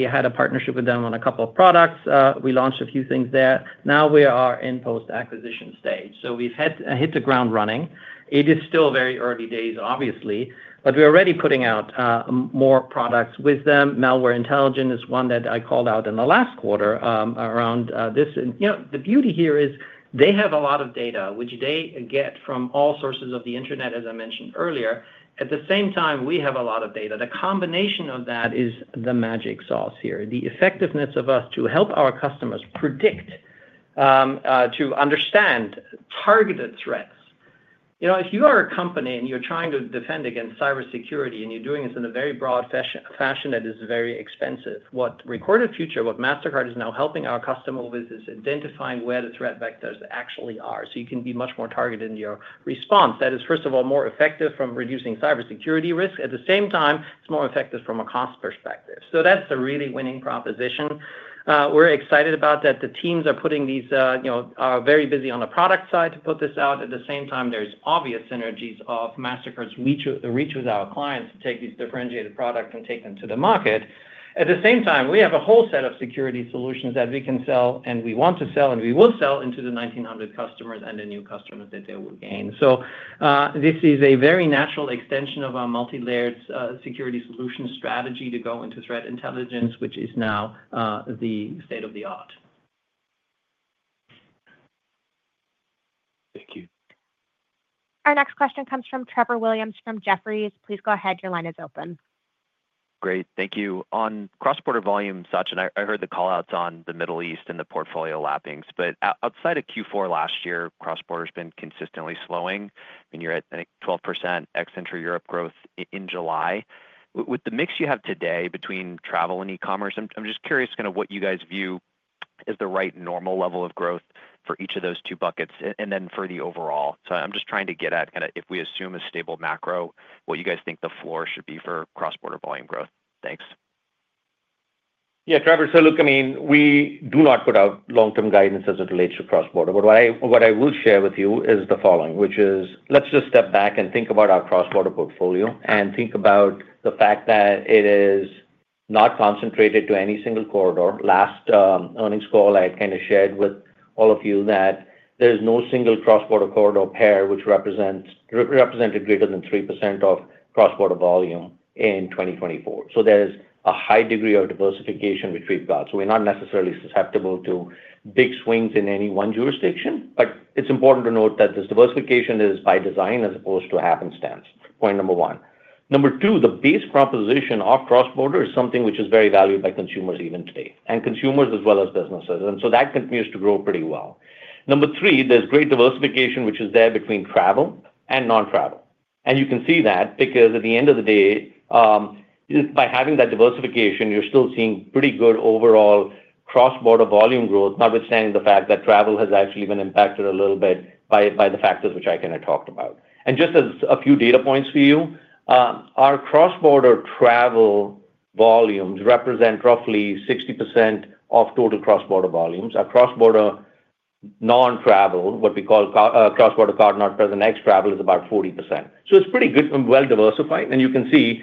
had a partnership with them on a couple of products. We launched a few things there. Now we are in post-acquisition stage. We've hit the ground running. It is still very early days, obviously, but we're already putting out more products with them. Malware intelligence is one that I called out in the last quarter around this. The beauty here is they have a lot of data, which they get from all sources of the internet, as I mentioned earlier. At the same time, we have a lot of data. The combination of that is the magic sauce here. The effectiveness of us to help our customers predict, to understand targeted threats. If you are a company and you're trying to defend against cybersecurity and you're doing this in a very broad fashion that is very expensive, what Recorded Future, what Mastercard is now helping our customers with, is identifying where the threat vectors actually are. You can be much more targeted in your response. That is, first of all, more effective from reducing cybersecurity risk. At the same time, it's more effective from a cost perspective. That's a really winning proposition. We're excited about that. The teams are very busy on the product side to put this out. At the same time, there are obvious synergies of Mastercard's reach with our clients to take these differentiated products and take them to the market. At the same time, we have a whole set of security solutions that we can sell and we want to sell and we will sell into the 1,900 customers and the new customers that they will gain. This is a very natural extension of our multi-layered security solution strategy to go into threat intelligence, which is now the state of the art. Thank you. Our next question comes from Trevor Williams from Jefferies. Please go ahead. Your line is open. Great. Thank you. On cross-border volume, Sachin, I heard the callouts on the Middle East and the portfolio lappings. Outside of Q4 last year, cross-border has been consistently slowing. I mean, you're at, I think, 12% ex-inter Europe growth in July. With the mix you have today between travel and e-commerce, I'm just curious kind of what you guys view as the right normal level of growth for each of those two buckets and then for the overall. I'm just trying to get at kind of if we assume a stable macro, what you guys think the floor should be for cross-border volume growth. Thanks. Yeah, Trevor. Look, I mean, we do not put out long-term guidance as it relates to cross-border. What I will share with you is the following, which is let's just step back and think about our cross-border portfolio and think about the fact that it is not concentrated to any single corridor. Last earnings call, I kind of shared with all of you that there is no single cross-border corridor pair which represented greater than 3% of cross-border volume in 2024. There is a high degree of diversification which we've got. We're not necessarily susceptible to big swings in any one jurisdiction, but it's important to note that this diversification is by design as opposed to happenstance. Point number one. Number two, the base proposition of cross-border is something which is very valued by consumers even today, and consumers as well as businesses. That continues to grow pretty well. Number three, there's great diversification which is there between travel and non-travel. You can see that because at the end of the day, by having that diversification, you're still seeing pretty good overall cross-border volume growth, notwithstanding the fact that travel has actually been impacted a little bit by the factors which I kind of talked about. Just as a few data points for you, our cross-border travel volumes represent roughly 60% of total cross-border volumes. Our cross-border non-travel, what we call cross-border card not present ex-travel, is about 40%. It is pretty good and well diversified. You can see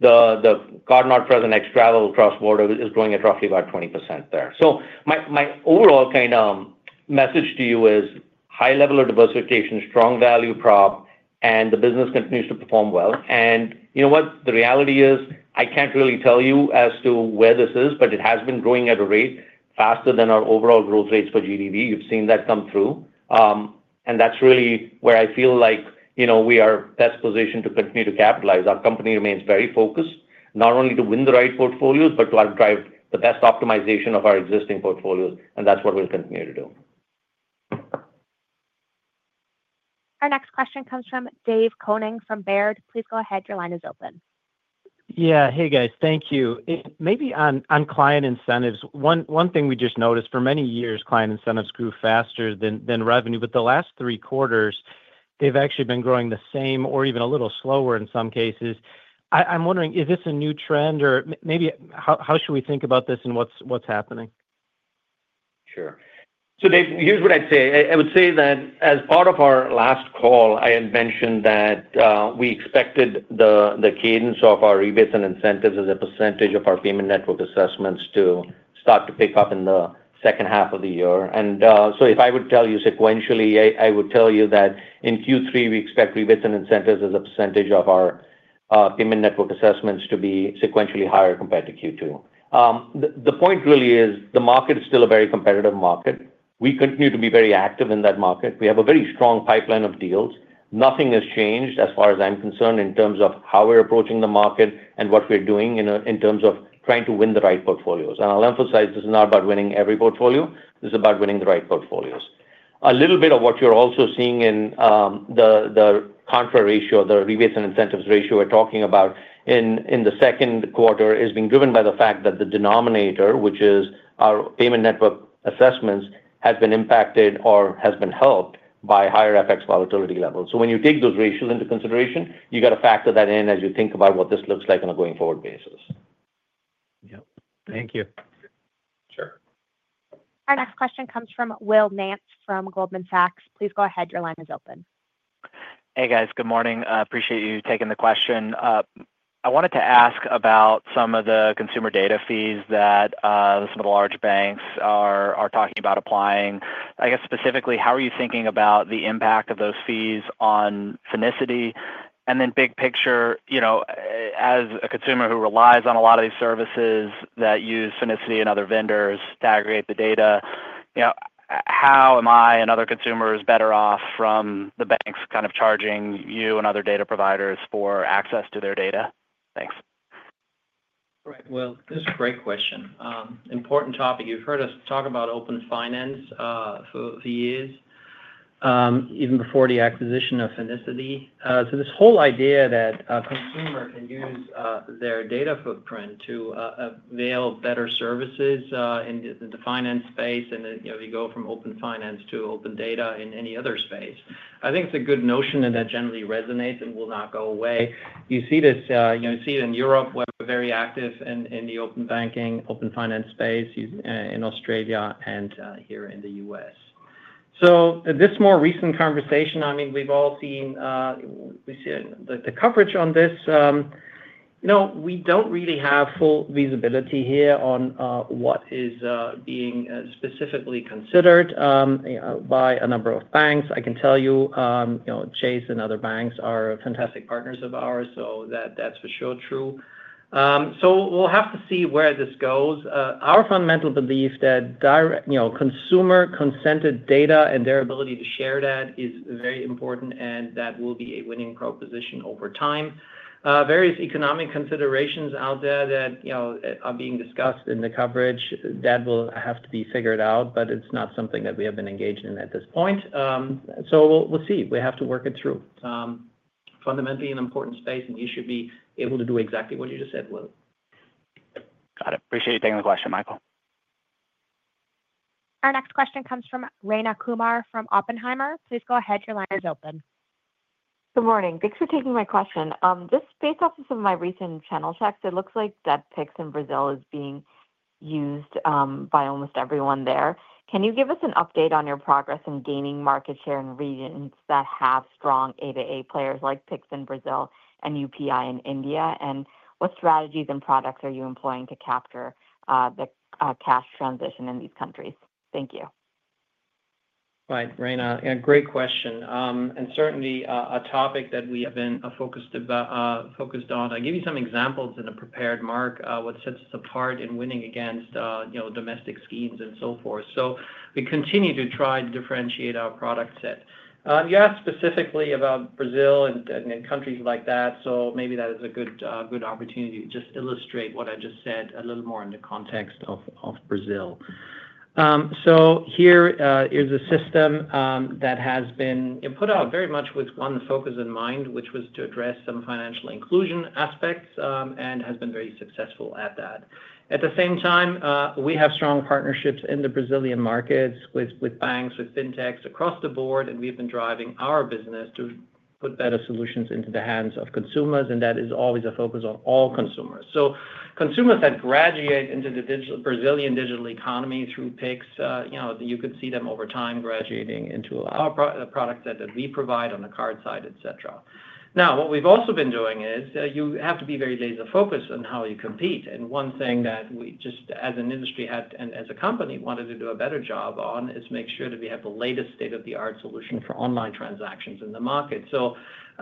the card not present ex-travel cross-border is growing at roughly about 20% there. My overall kind of message to you is high level of diversification, strong value prop, and the business continues to perform well. You know what? The reality is I can't really tell you as to where this is, but it has been growing at a rate faster than our overall growth rates for GDV. You have seen that come through. That is really where I feel like we are best positioned to continue to capitalize. Our company remains very focused, not only to win the right portfolios, but to drive the best optimization of our existing portfolios. That is what we will continue to do. Our next question comes from Dave Koning from Baird. Please go ahead. Your line is open. Yeah. Hey, guys. Thank you. Maybe on client incentives, one thing we just noticed, for many years, client incentives grew faster than revenue. But the last three quarters, they've actually been growing the same or even a little slower in some cases. I'm wondering, is this a new trend, or maybe how should we think about this and what's happening? Sure. So David, here's what I'd say. I would say that as part of our last call, I had mentioned that we expected the cadence of our rebates and incentives as a percentage of our payment network assessments to start to pick up in the second half of the year. If I would tell you sequentially, I would tell you that in Q3, we expect rebates and incentives as a percentage of our payment network assessments to be sequentially higher compared to Q2. The point really is the market is still a very competitive market. We continue to be very active in that market. We have a very strong pipeline of deals. Nothing has changed as far as I'm concerned in terms of how we're approaching the market and what we're doing in terms of trying to win the right portfolios. I'll emphasize this is not about winning every portfolio. This is about winning the right portfolios. A little bit of what you're also seeing in the contra ratio, the rebates and incentives ratio we're talking about in the second quarter is being driven by the fact that the denominator, which is our payment network assessments, has been impacted or has been helped by higher FX volatility levels. When you take those ratios into consideration, you got to factor that in as you think about what this looks like on a going forward basis. Yep. Thank you. Sure. Our next question comes from Will Nance from Goldman Sachs. Please go ahead. Your line is open. Hey, guys. Good morning. Appreciate you taking the question. I wanted to ask about some of the consumer data fees that some of the large banks are talking about applying. I guess specifically, how are you thinking about the impact of those fees on Finicity? Big picture, as a consumer who relies on a lot of these services that use Finicity and other vendors to aggregate the data, how am I and other consumers better off from the banks kind of charging you and other data providers for access to their data? Thanks. This is a great question. Important topic. You've heard us talk about open finance for years, even before the acquisition of Finicity. This whole idea that a consumer can use their data footprint to avail better services in the finance space and if you go from open finance to open data in any other space, I think it's a good notion and that generally resonates and will not go away. You see this. You see it in Europe. We're very active in the open banking, open finance space in Australia and here in the U.S. This more recent conversation, I mean, we've all seen the coverage on this. We don't really have full visibility here on what is being specifically considered by a number of banks. I can tell you Chase and other banks are fantastic partners of ours, so that's for sure true. We'll have to see where this goes. Our fundamental belief that consumer-consented data and their ability to share that is very important and that will be a winning proposition over time. Various economic considerations out there that are being discussed in the coverage that will have to be figured out, but it's not something that we have been engaged in at this point. We'll see. We have to work it through. It's fundamentally an important space, and you should be able to do exactly what you just said, Will. Got it. Appreciate you taking the question, Michael. Our next question comes from Rayna Kumar from Oppenheimer. Please go ahead. Your line is open. Good morning. Thanks for taking my question. Just based off of some of my recent channel checks, it looks like that PIX in Brazil is being used by almost everyone there. Can you give us an update on your progress in gaining market share in regions that have strong A to A players like PIX in Brazil and UPI in India? What strategies and products are you employing to capture the cash transition in these countries? Thank you. Right. Rayna, great question. Certainly a topic that we have been focused on. I'll give you some examples in a prepared mark of what sets us apart in winning against domestic schemes and so forth. We continue to try to differentiate our product set. You asked specifically about Brazil and countries like that, so maybe that is a good opportunity to just illustrate what I just said a little more in the context of Brazil. Here is a system that has been put out very much with one focus in mind, which was to address some financial inclusion aspects and has been very successful at that. At the same time, we have strong partnerships in the Brazilian markets with banks, with fintechs across the board, and we've been driving our business to put better solutions into the hands of consumers, and that is always a focus on all consumers. Consumers that graduate into the Brazilian digital economy through PIX, you could see them over time graduating into our product set that we provide on the card side, etc. Now, what we've also been doing is you have to be very laser-focused on how you compete. One thing that we just, as an industry and as a company, wanted to do a better job on is make sure that we have the latest state-of-the-art solution for online transactions in the market.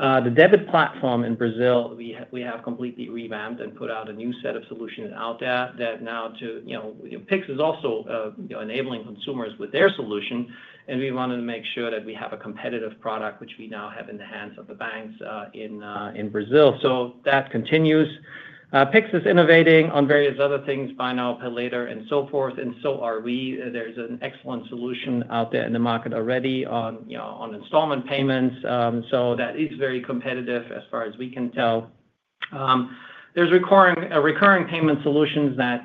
The debit platform in Brazil, we have completely revamped and put out a new set of solutions out there that now to PIX is also enabling consumers with their solution, and we wanted to make sure that we have a competitive product, which we now have in the hands of the banks in Brazil. That continues. PIX is innovating on various other things, Buy Now, Pay Later, and so forth, and so are we. There's an excellent solution out there in the market already on installment payments. That is very competitive as far as we can tell. There's recurring payment solutions that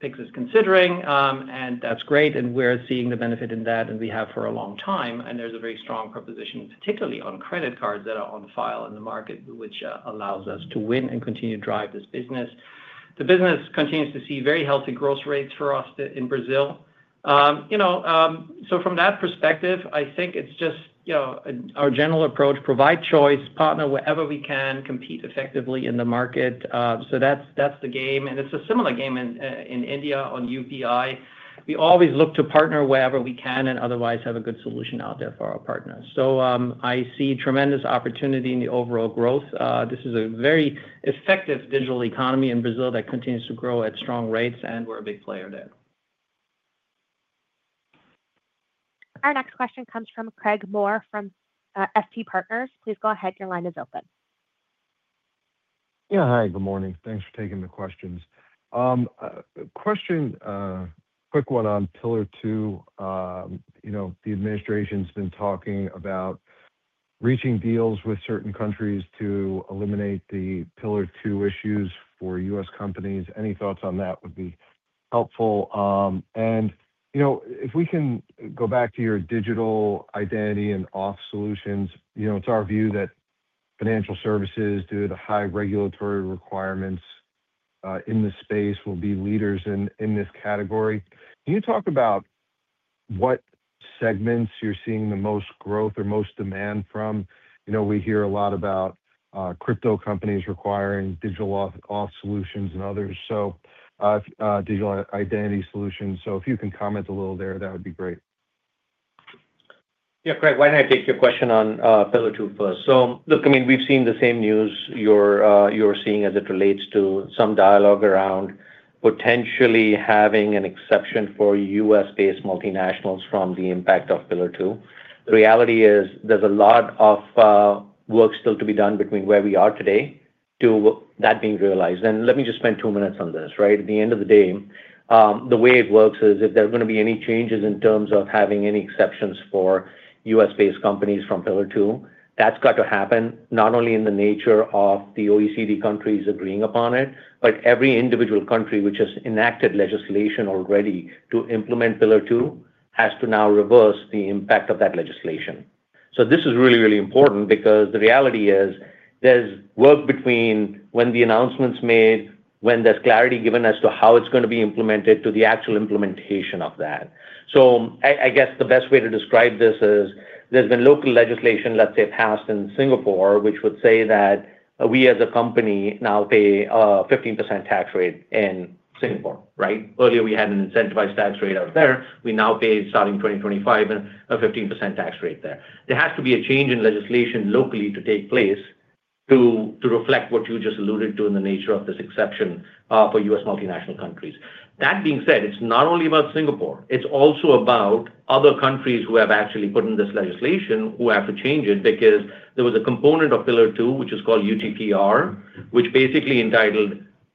PIX is considering, and that's great, and we're seeing the benefit in that, and we have for a long time. There's a very strong proposition, particularly on credit cards that are on file in the market, which allows us to win and continue to drive this business. The business continues to see very healthy growth rates for us in Brazil. From that perspective, I think it's just our general approach: provide choice, partner wherever we can, compete effectively in the market. That's the game. It's a similar game in India on UPI. We always look to partner wherever we can and otherwise have a good solution out there for our partners. I see tremendous opportunity in the overall growth. This is a very effective digital economy in Brazil that continues to grow at strong rates, and we're a big player there. Our next question comes from Craig Maurer from FT Partners. Please go ahead. Your line is open. Yeah. Hi. Good morning. Thanks for taking the questions. Question, quick one on Pillar Two. The administration's been talking about reaching deals with certain countries to eliminate the Pillar Two issues for U.S. companies. Any thoughts on that would be helpful. If we can go back to your digital identity and auth solutions, it's our view that financial services due to the high regulatory requirements in this space will be leaders in this category. Can you talk about what segments you're seeing the most growth or most demand from? We hear a lot about crypto companies requiring digital auth solutions and others, so digital identity solutions. If you can comment a little there, that would be great. Yeah. Craig, why don't I take your question on Pillar Two first? Look, I mean, we've seen the same news you're seeing as it relates to some dialogue around potentially having an exception for U.S.-based multinationals from the impact of Pillar Two. The reality is there's a lot of work still to be done between where we are today to that being realized. Let me just spend two minutes on this, right? At the end of the day, the way it works is if there are going to be any changes in terms of having any exceptions for U.S.-based companies from Pillar Two, that's got to happen not only in the nature of the OECD countries agreeing upon it, but every individual country which has enacted legislation already to implement Pillar Two has to now reverse the impact of that legislation. This is really, really important because the reality is there's work between when the announcement's made, when there's clarity given as to how it's going to be implemented to the actual implementation of that. I guess the best way to describe this is there's been local legislation, let's say, passed in Singapore, which would say that we as a company now pay a 15% tax rate in Singapore, right? Earlier, we had an incentivized tax rate out there. We now pay, starting 2025, a 15% tax rate there. There has to be a change in legislation locally to take place to reflect what you just alluded to in the nature of this exception for U.S. multinational countries. That being said, it's not only about Singapore. It's also about other countries who have actually put in this legislation who have to change it because there was a component of Pillar Two, which is called UTPR, which basically entitled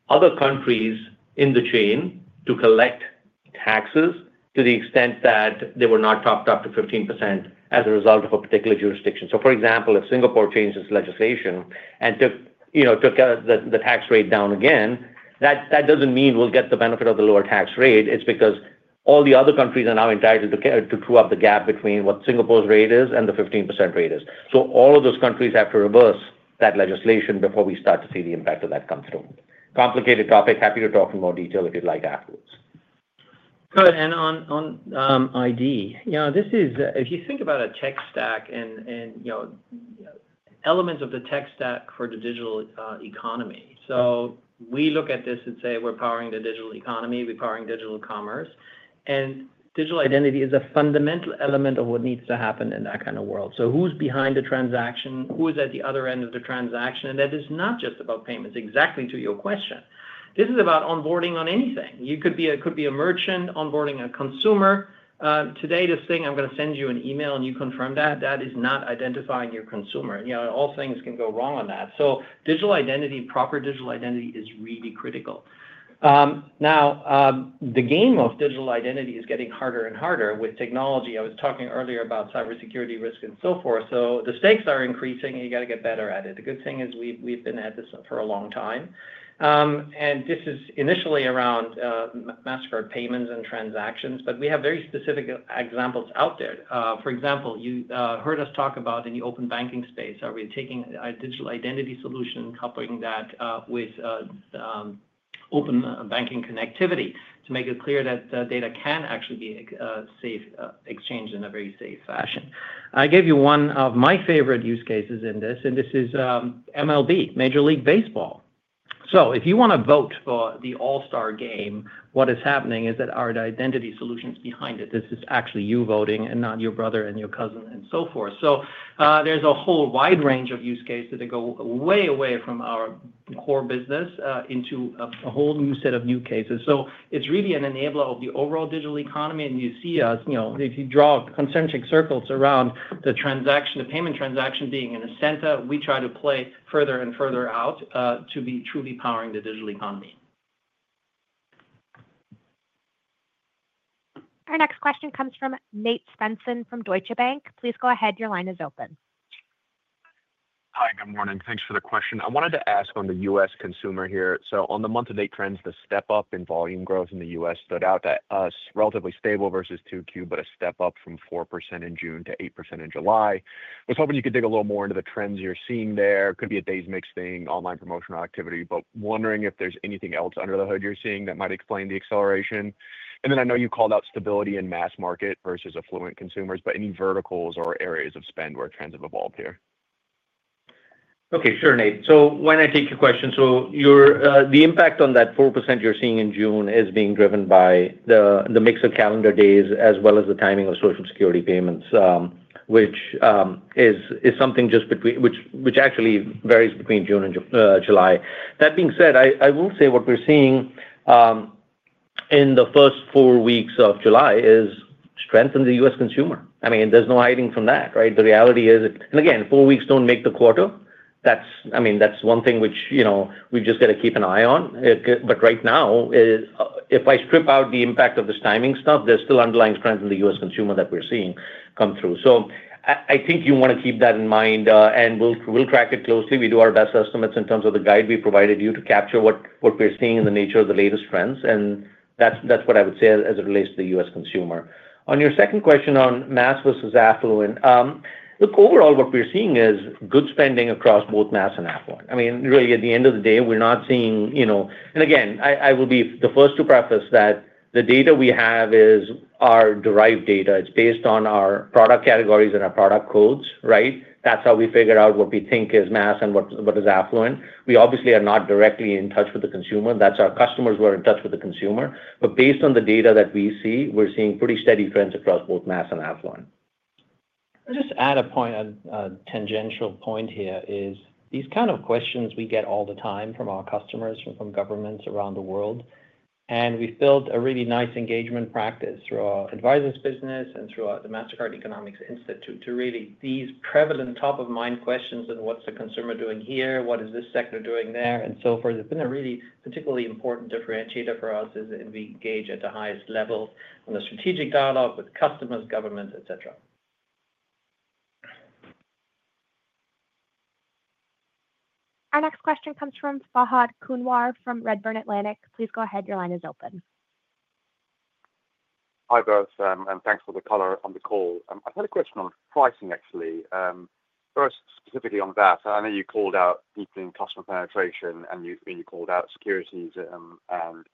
other countries in the chain to collect taxes to the extent that they were not topped up to 15% as a result of a particular jurisdiction. For example, if Singapore changed its legislation and took the tax rate down again, that doesn't mean we'll get the benefit of the lower tax rate. It's because all the other countries are now entitled to true up the gap between what Singapore's rate is and the 15% rate is. All of those countries have to reverse that legislation before we start to see the impact of that come through. Complicated topic. Happy to talk in more detail if you'd like afterwards. Good. On ID, if you think about a tech stack and elements of the tech stack for the digital economy. We look at this and say we're powering the digital economy. We're powering digital commerce. Digital identity is a fundamental element of what needs to happen in that kind of world. Who's behind the transaction? Who is at the other end of the transaction? That is not just about payments. Exactly to your question, this is about onboarding on anything. It could be a merchant onboarding a consumer. Today, this thing, I'm going to send you an email and you confirm that. That is not identifying your consumer. All things can go wrong on that. Proper digital identity is really critical. Now, the game of digital identity is getting harder and harder with technology. I was talking earlier about cybersecurity risk and so forth. The stakes are increasing and you got to get better at it. The good thing is we've been at this for a long time. This is initially around Mastercard payments and transactions, but we have very specific examples out there. For example, you heard us talk about in the open banking space, are we taking a digital identity solution, coupling that with open banking connectivity to make it clear that data can actually be exchanged in a very safe fashion. I gave you one of my favorite use cases in this, and this is MLB, Major League Baseball. If you want to vote for the All-Star game, what is happening is that our identity solution is behind it. This is actually you voting and not your brother and your cousin and so forth. There is a whole wide range of use cases that go way away from our core business into a whole new set of new cases. It is really an enabler of the overall digital economy. You see us, if you draw concentric circles around the payment transaction being in the center, w try to play further and further out to be truly powering the digital economy. Our next question comes from Nate Svensson from Deutsche Bank. Please go ahead. Your line is open. Hi. Good morning. Thanks for the question. I wanted to ask on the U.S. consumer here. On the month-to-date trends, the step-up in volume growth in the U.S. stood out as relatively stable versus 2Q, but a step-up from 4% in June to 8% in July. I was hoping you could dig a little more into the trends you're seeing there. It could be a days-mix thing, online promotional activity, but wondering if there's anything else under the hood you're seeing that might explain the acceleration. I know you called out stability in mass market versus affluent consumers, but any verticals or areas of spend where trends have evolved here? Okay. Sure, Nate. Why don't I take your question? The impact on that 4% you're seeing in June is being driven by the mix of calendar days as well as the timing of Social Security payments, which is something just between which actually varies between June and July. That being said, I will say what we're seeing in the first four weeks of July is strength in the U.S. consumer. I mean, there's no hiding from that, right? The reality is, and again, four weeks don't make the quarter. I mean, that's one thing which we've just got to keep an eye on. Right now, if I strip out the impact of this timing stuff, there's still underlying strength in the U.S. consumer that we're seeing come through. I think you want to keep that in mind, and we'll track it closely. We do our best estimates in terms of the guide we provided you to capture what we're seeing in the nature of the latest trends. That is what I would say as it relates to the U.S. consumer. On your second question on mass versus affluent, look, overall, what we're seeing is good spending across both mass and affluent. I mean, really, at the end of the day, we're not seeing, and again, I will be the first to preface that the data we have is our derived data. It's based on our product categories and our product codes, right? That's how we figure out what we think is mass and what is affluent. We obviously are not directly in touch with the consumer. That is our customers who are in touch with the consumer. Based on the data that we see, we're seeing pretty steady trends across both mass and affluent. I'll just add a point, a tangential point here, is these kind of questions we get all the time from our customers and from governments around the world. We've built a really nice engagement practice through our advisors' business and through the Mastercard Economics Institute to really address these prevalent top-of-mind questions and what's the consumer doing here, what is this sector doing there, and so forth. It's been a really particularly important differentiator for us as we engage at the highest level on the strategic dialogue with customers, governments, etc. Our next question comes from Fahed Kunwar from Redburn Atlantic. Please go ahead. Your line is open. Hi both, and thanks for the color on the call. I've had a question on pricing, actually. First, specifically on that, I know you called out deeply in customer penetration and you called out securities and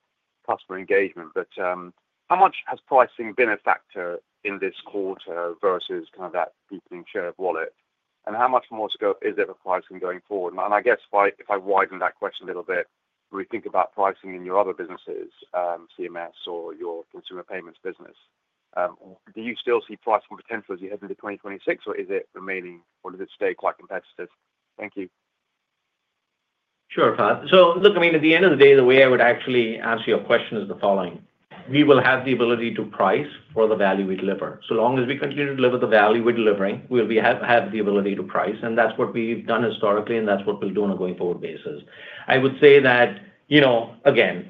customer engagement, but how much has pricing been a factor in this quarter versus kind of that deepening share of wallet? How much more is there for pricing going forward? I guess if I widen that question a little bit, when we think about pricing in your other businesses, CMS or your consumer payments business, do you still see pricing potential as you head into 2026, or is it remaining, or does it stay quite competitive? Thank you. Sure, Fahed. Look, I mean, at the end of the day, the way I would actually answer your question is the following. We will have the ability to price for the value we deliver. So long as we continue to deliver the value we're delivering, we'll have the ability to price. That's what we've done historically, and that's what we'll do on a going-forward basis. I would say that, again,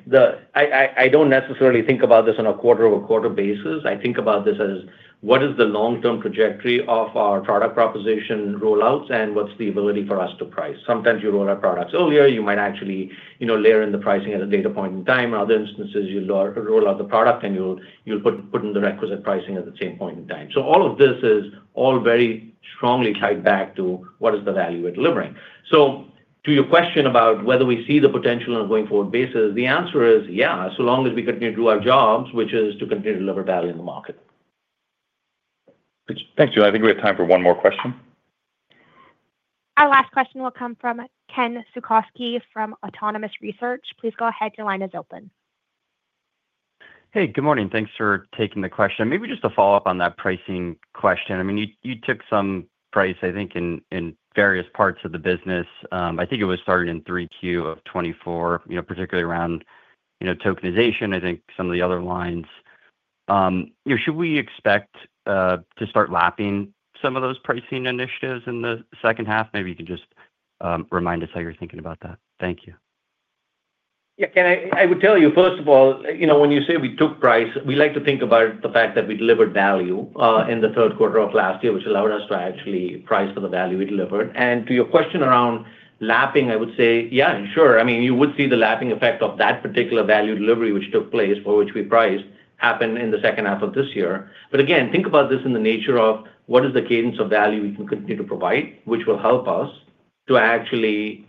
I don't necessarily think about this on a quarter-over-quarter basis. I think about this as what is the long-term trajectory of our product proposition rollouts and what's the ability for us to price. Sometimes you roll out products earlier. You might actually layer in the pricing at a later point in time. In other instances, you roll out the product and you'll put in the requisite pricing at the same point in time. All of this is all very strongly tied back to what is the value we're delivering. To your question about whether we see the potential on a going-forward basis, the answer is, yeah, so long as we continue to do our jobs, which is to continue to deliver value in the market. Thank you. I think we have time for one more question. Our last question will come from Ken Sukoski from Autonomous Research. Please go ahead. Your line is open. Hey, good morning. Thanks for taking the question. Maybe just a follow-up on that pricing question. I mean, you took some price, I think, in various parts of the business. I think it was started in 3Q of 2024, particularly around tokenization, I think, some of the other lines. Should we expect to start lapping some of those pricing initiatives in the second half? Maybe you can just remind us how you're thinking about that. Thank you. Yeah. I would tell you, first of all, when you say we took price, we like to think about the fact that we delivered value in the third quarter of last year, which allowed us to actually price for the value we delivered. To your question around lapping, I would say, yeah, sure. I mean, you would see the lapping effect of that particular value delivery, which took place for which we priced, happened in the second half of this year. Again, think about this in the nature of what is the cadence of value we can continue to provide, which will help us to actually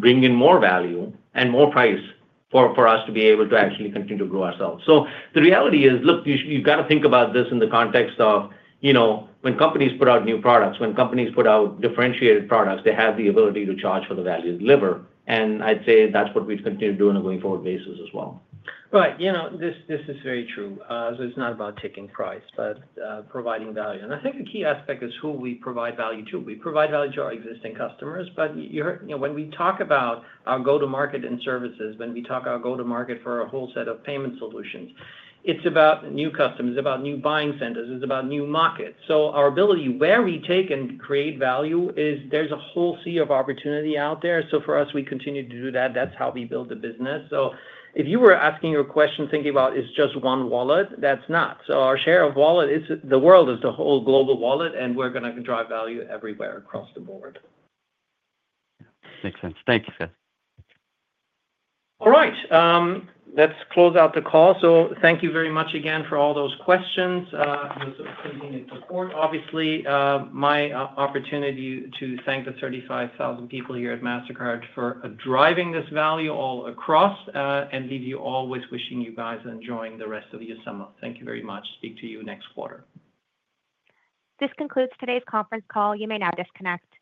bring in more value and more price for us to be able to actually continue to grow ourselves. The reality is, look, you've got to think about this in the context of when companies put out new products, when companies put out differentiated products, they have the ability to charge for the value they deliver. I'd say that's what we continue to do on a going-forward basis as well. Right. This is very true. It's not about taking price, but providing value. I think the key aspect is who we provide value to. We provide value to our existing customers. When we talk about our go-to-market and services, when we talk about go-to-market for a whole set of payment solutions, it's about new customers. It's about new buying centers. It's about new markets. Our ability, where we take and create value, is there's a whole sea of opportunity out there. For us, we continue to do that. That's how we build the business. If you were asking your question, thinking about, "Is it just one wallet?" That's not. Our share of wallet is the world, is the whole global wallet, and we're going to drive value everywhere across the board. Makes sense. Thanks for that. All right. Let's close out the call. Thank you very much again for all those questions. It was a pleasing support. Obviously, my opportunity to thank the 35,000 people here at Mastercard for driving this value all across and leave you all with wishing you guys enjoying the rest of your summer. Thank you very much. Speak to you next quarter. This concludes today's conference call. You may now disconnect.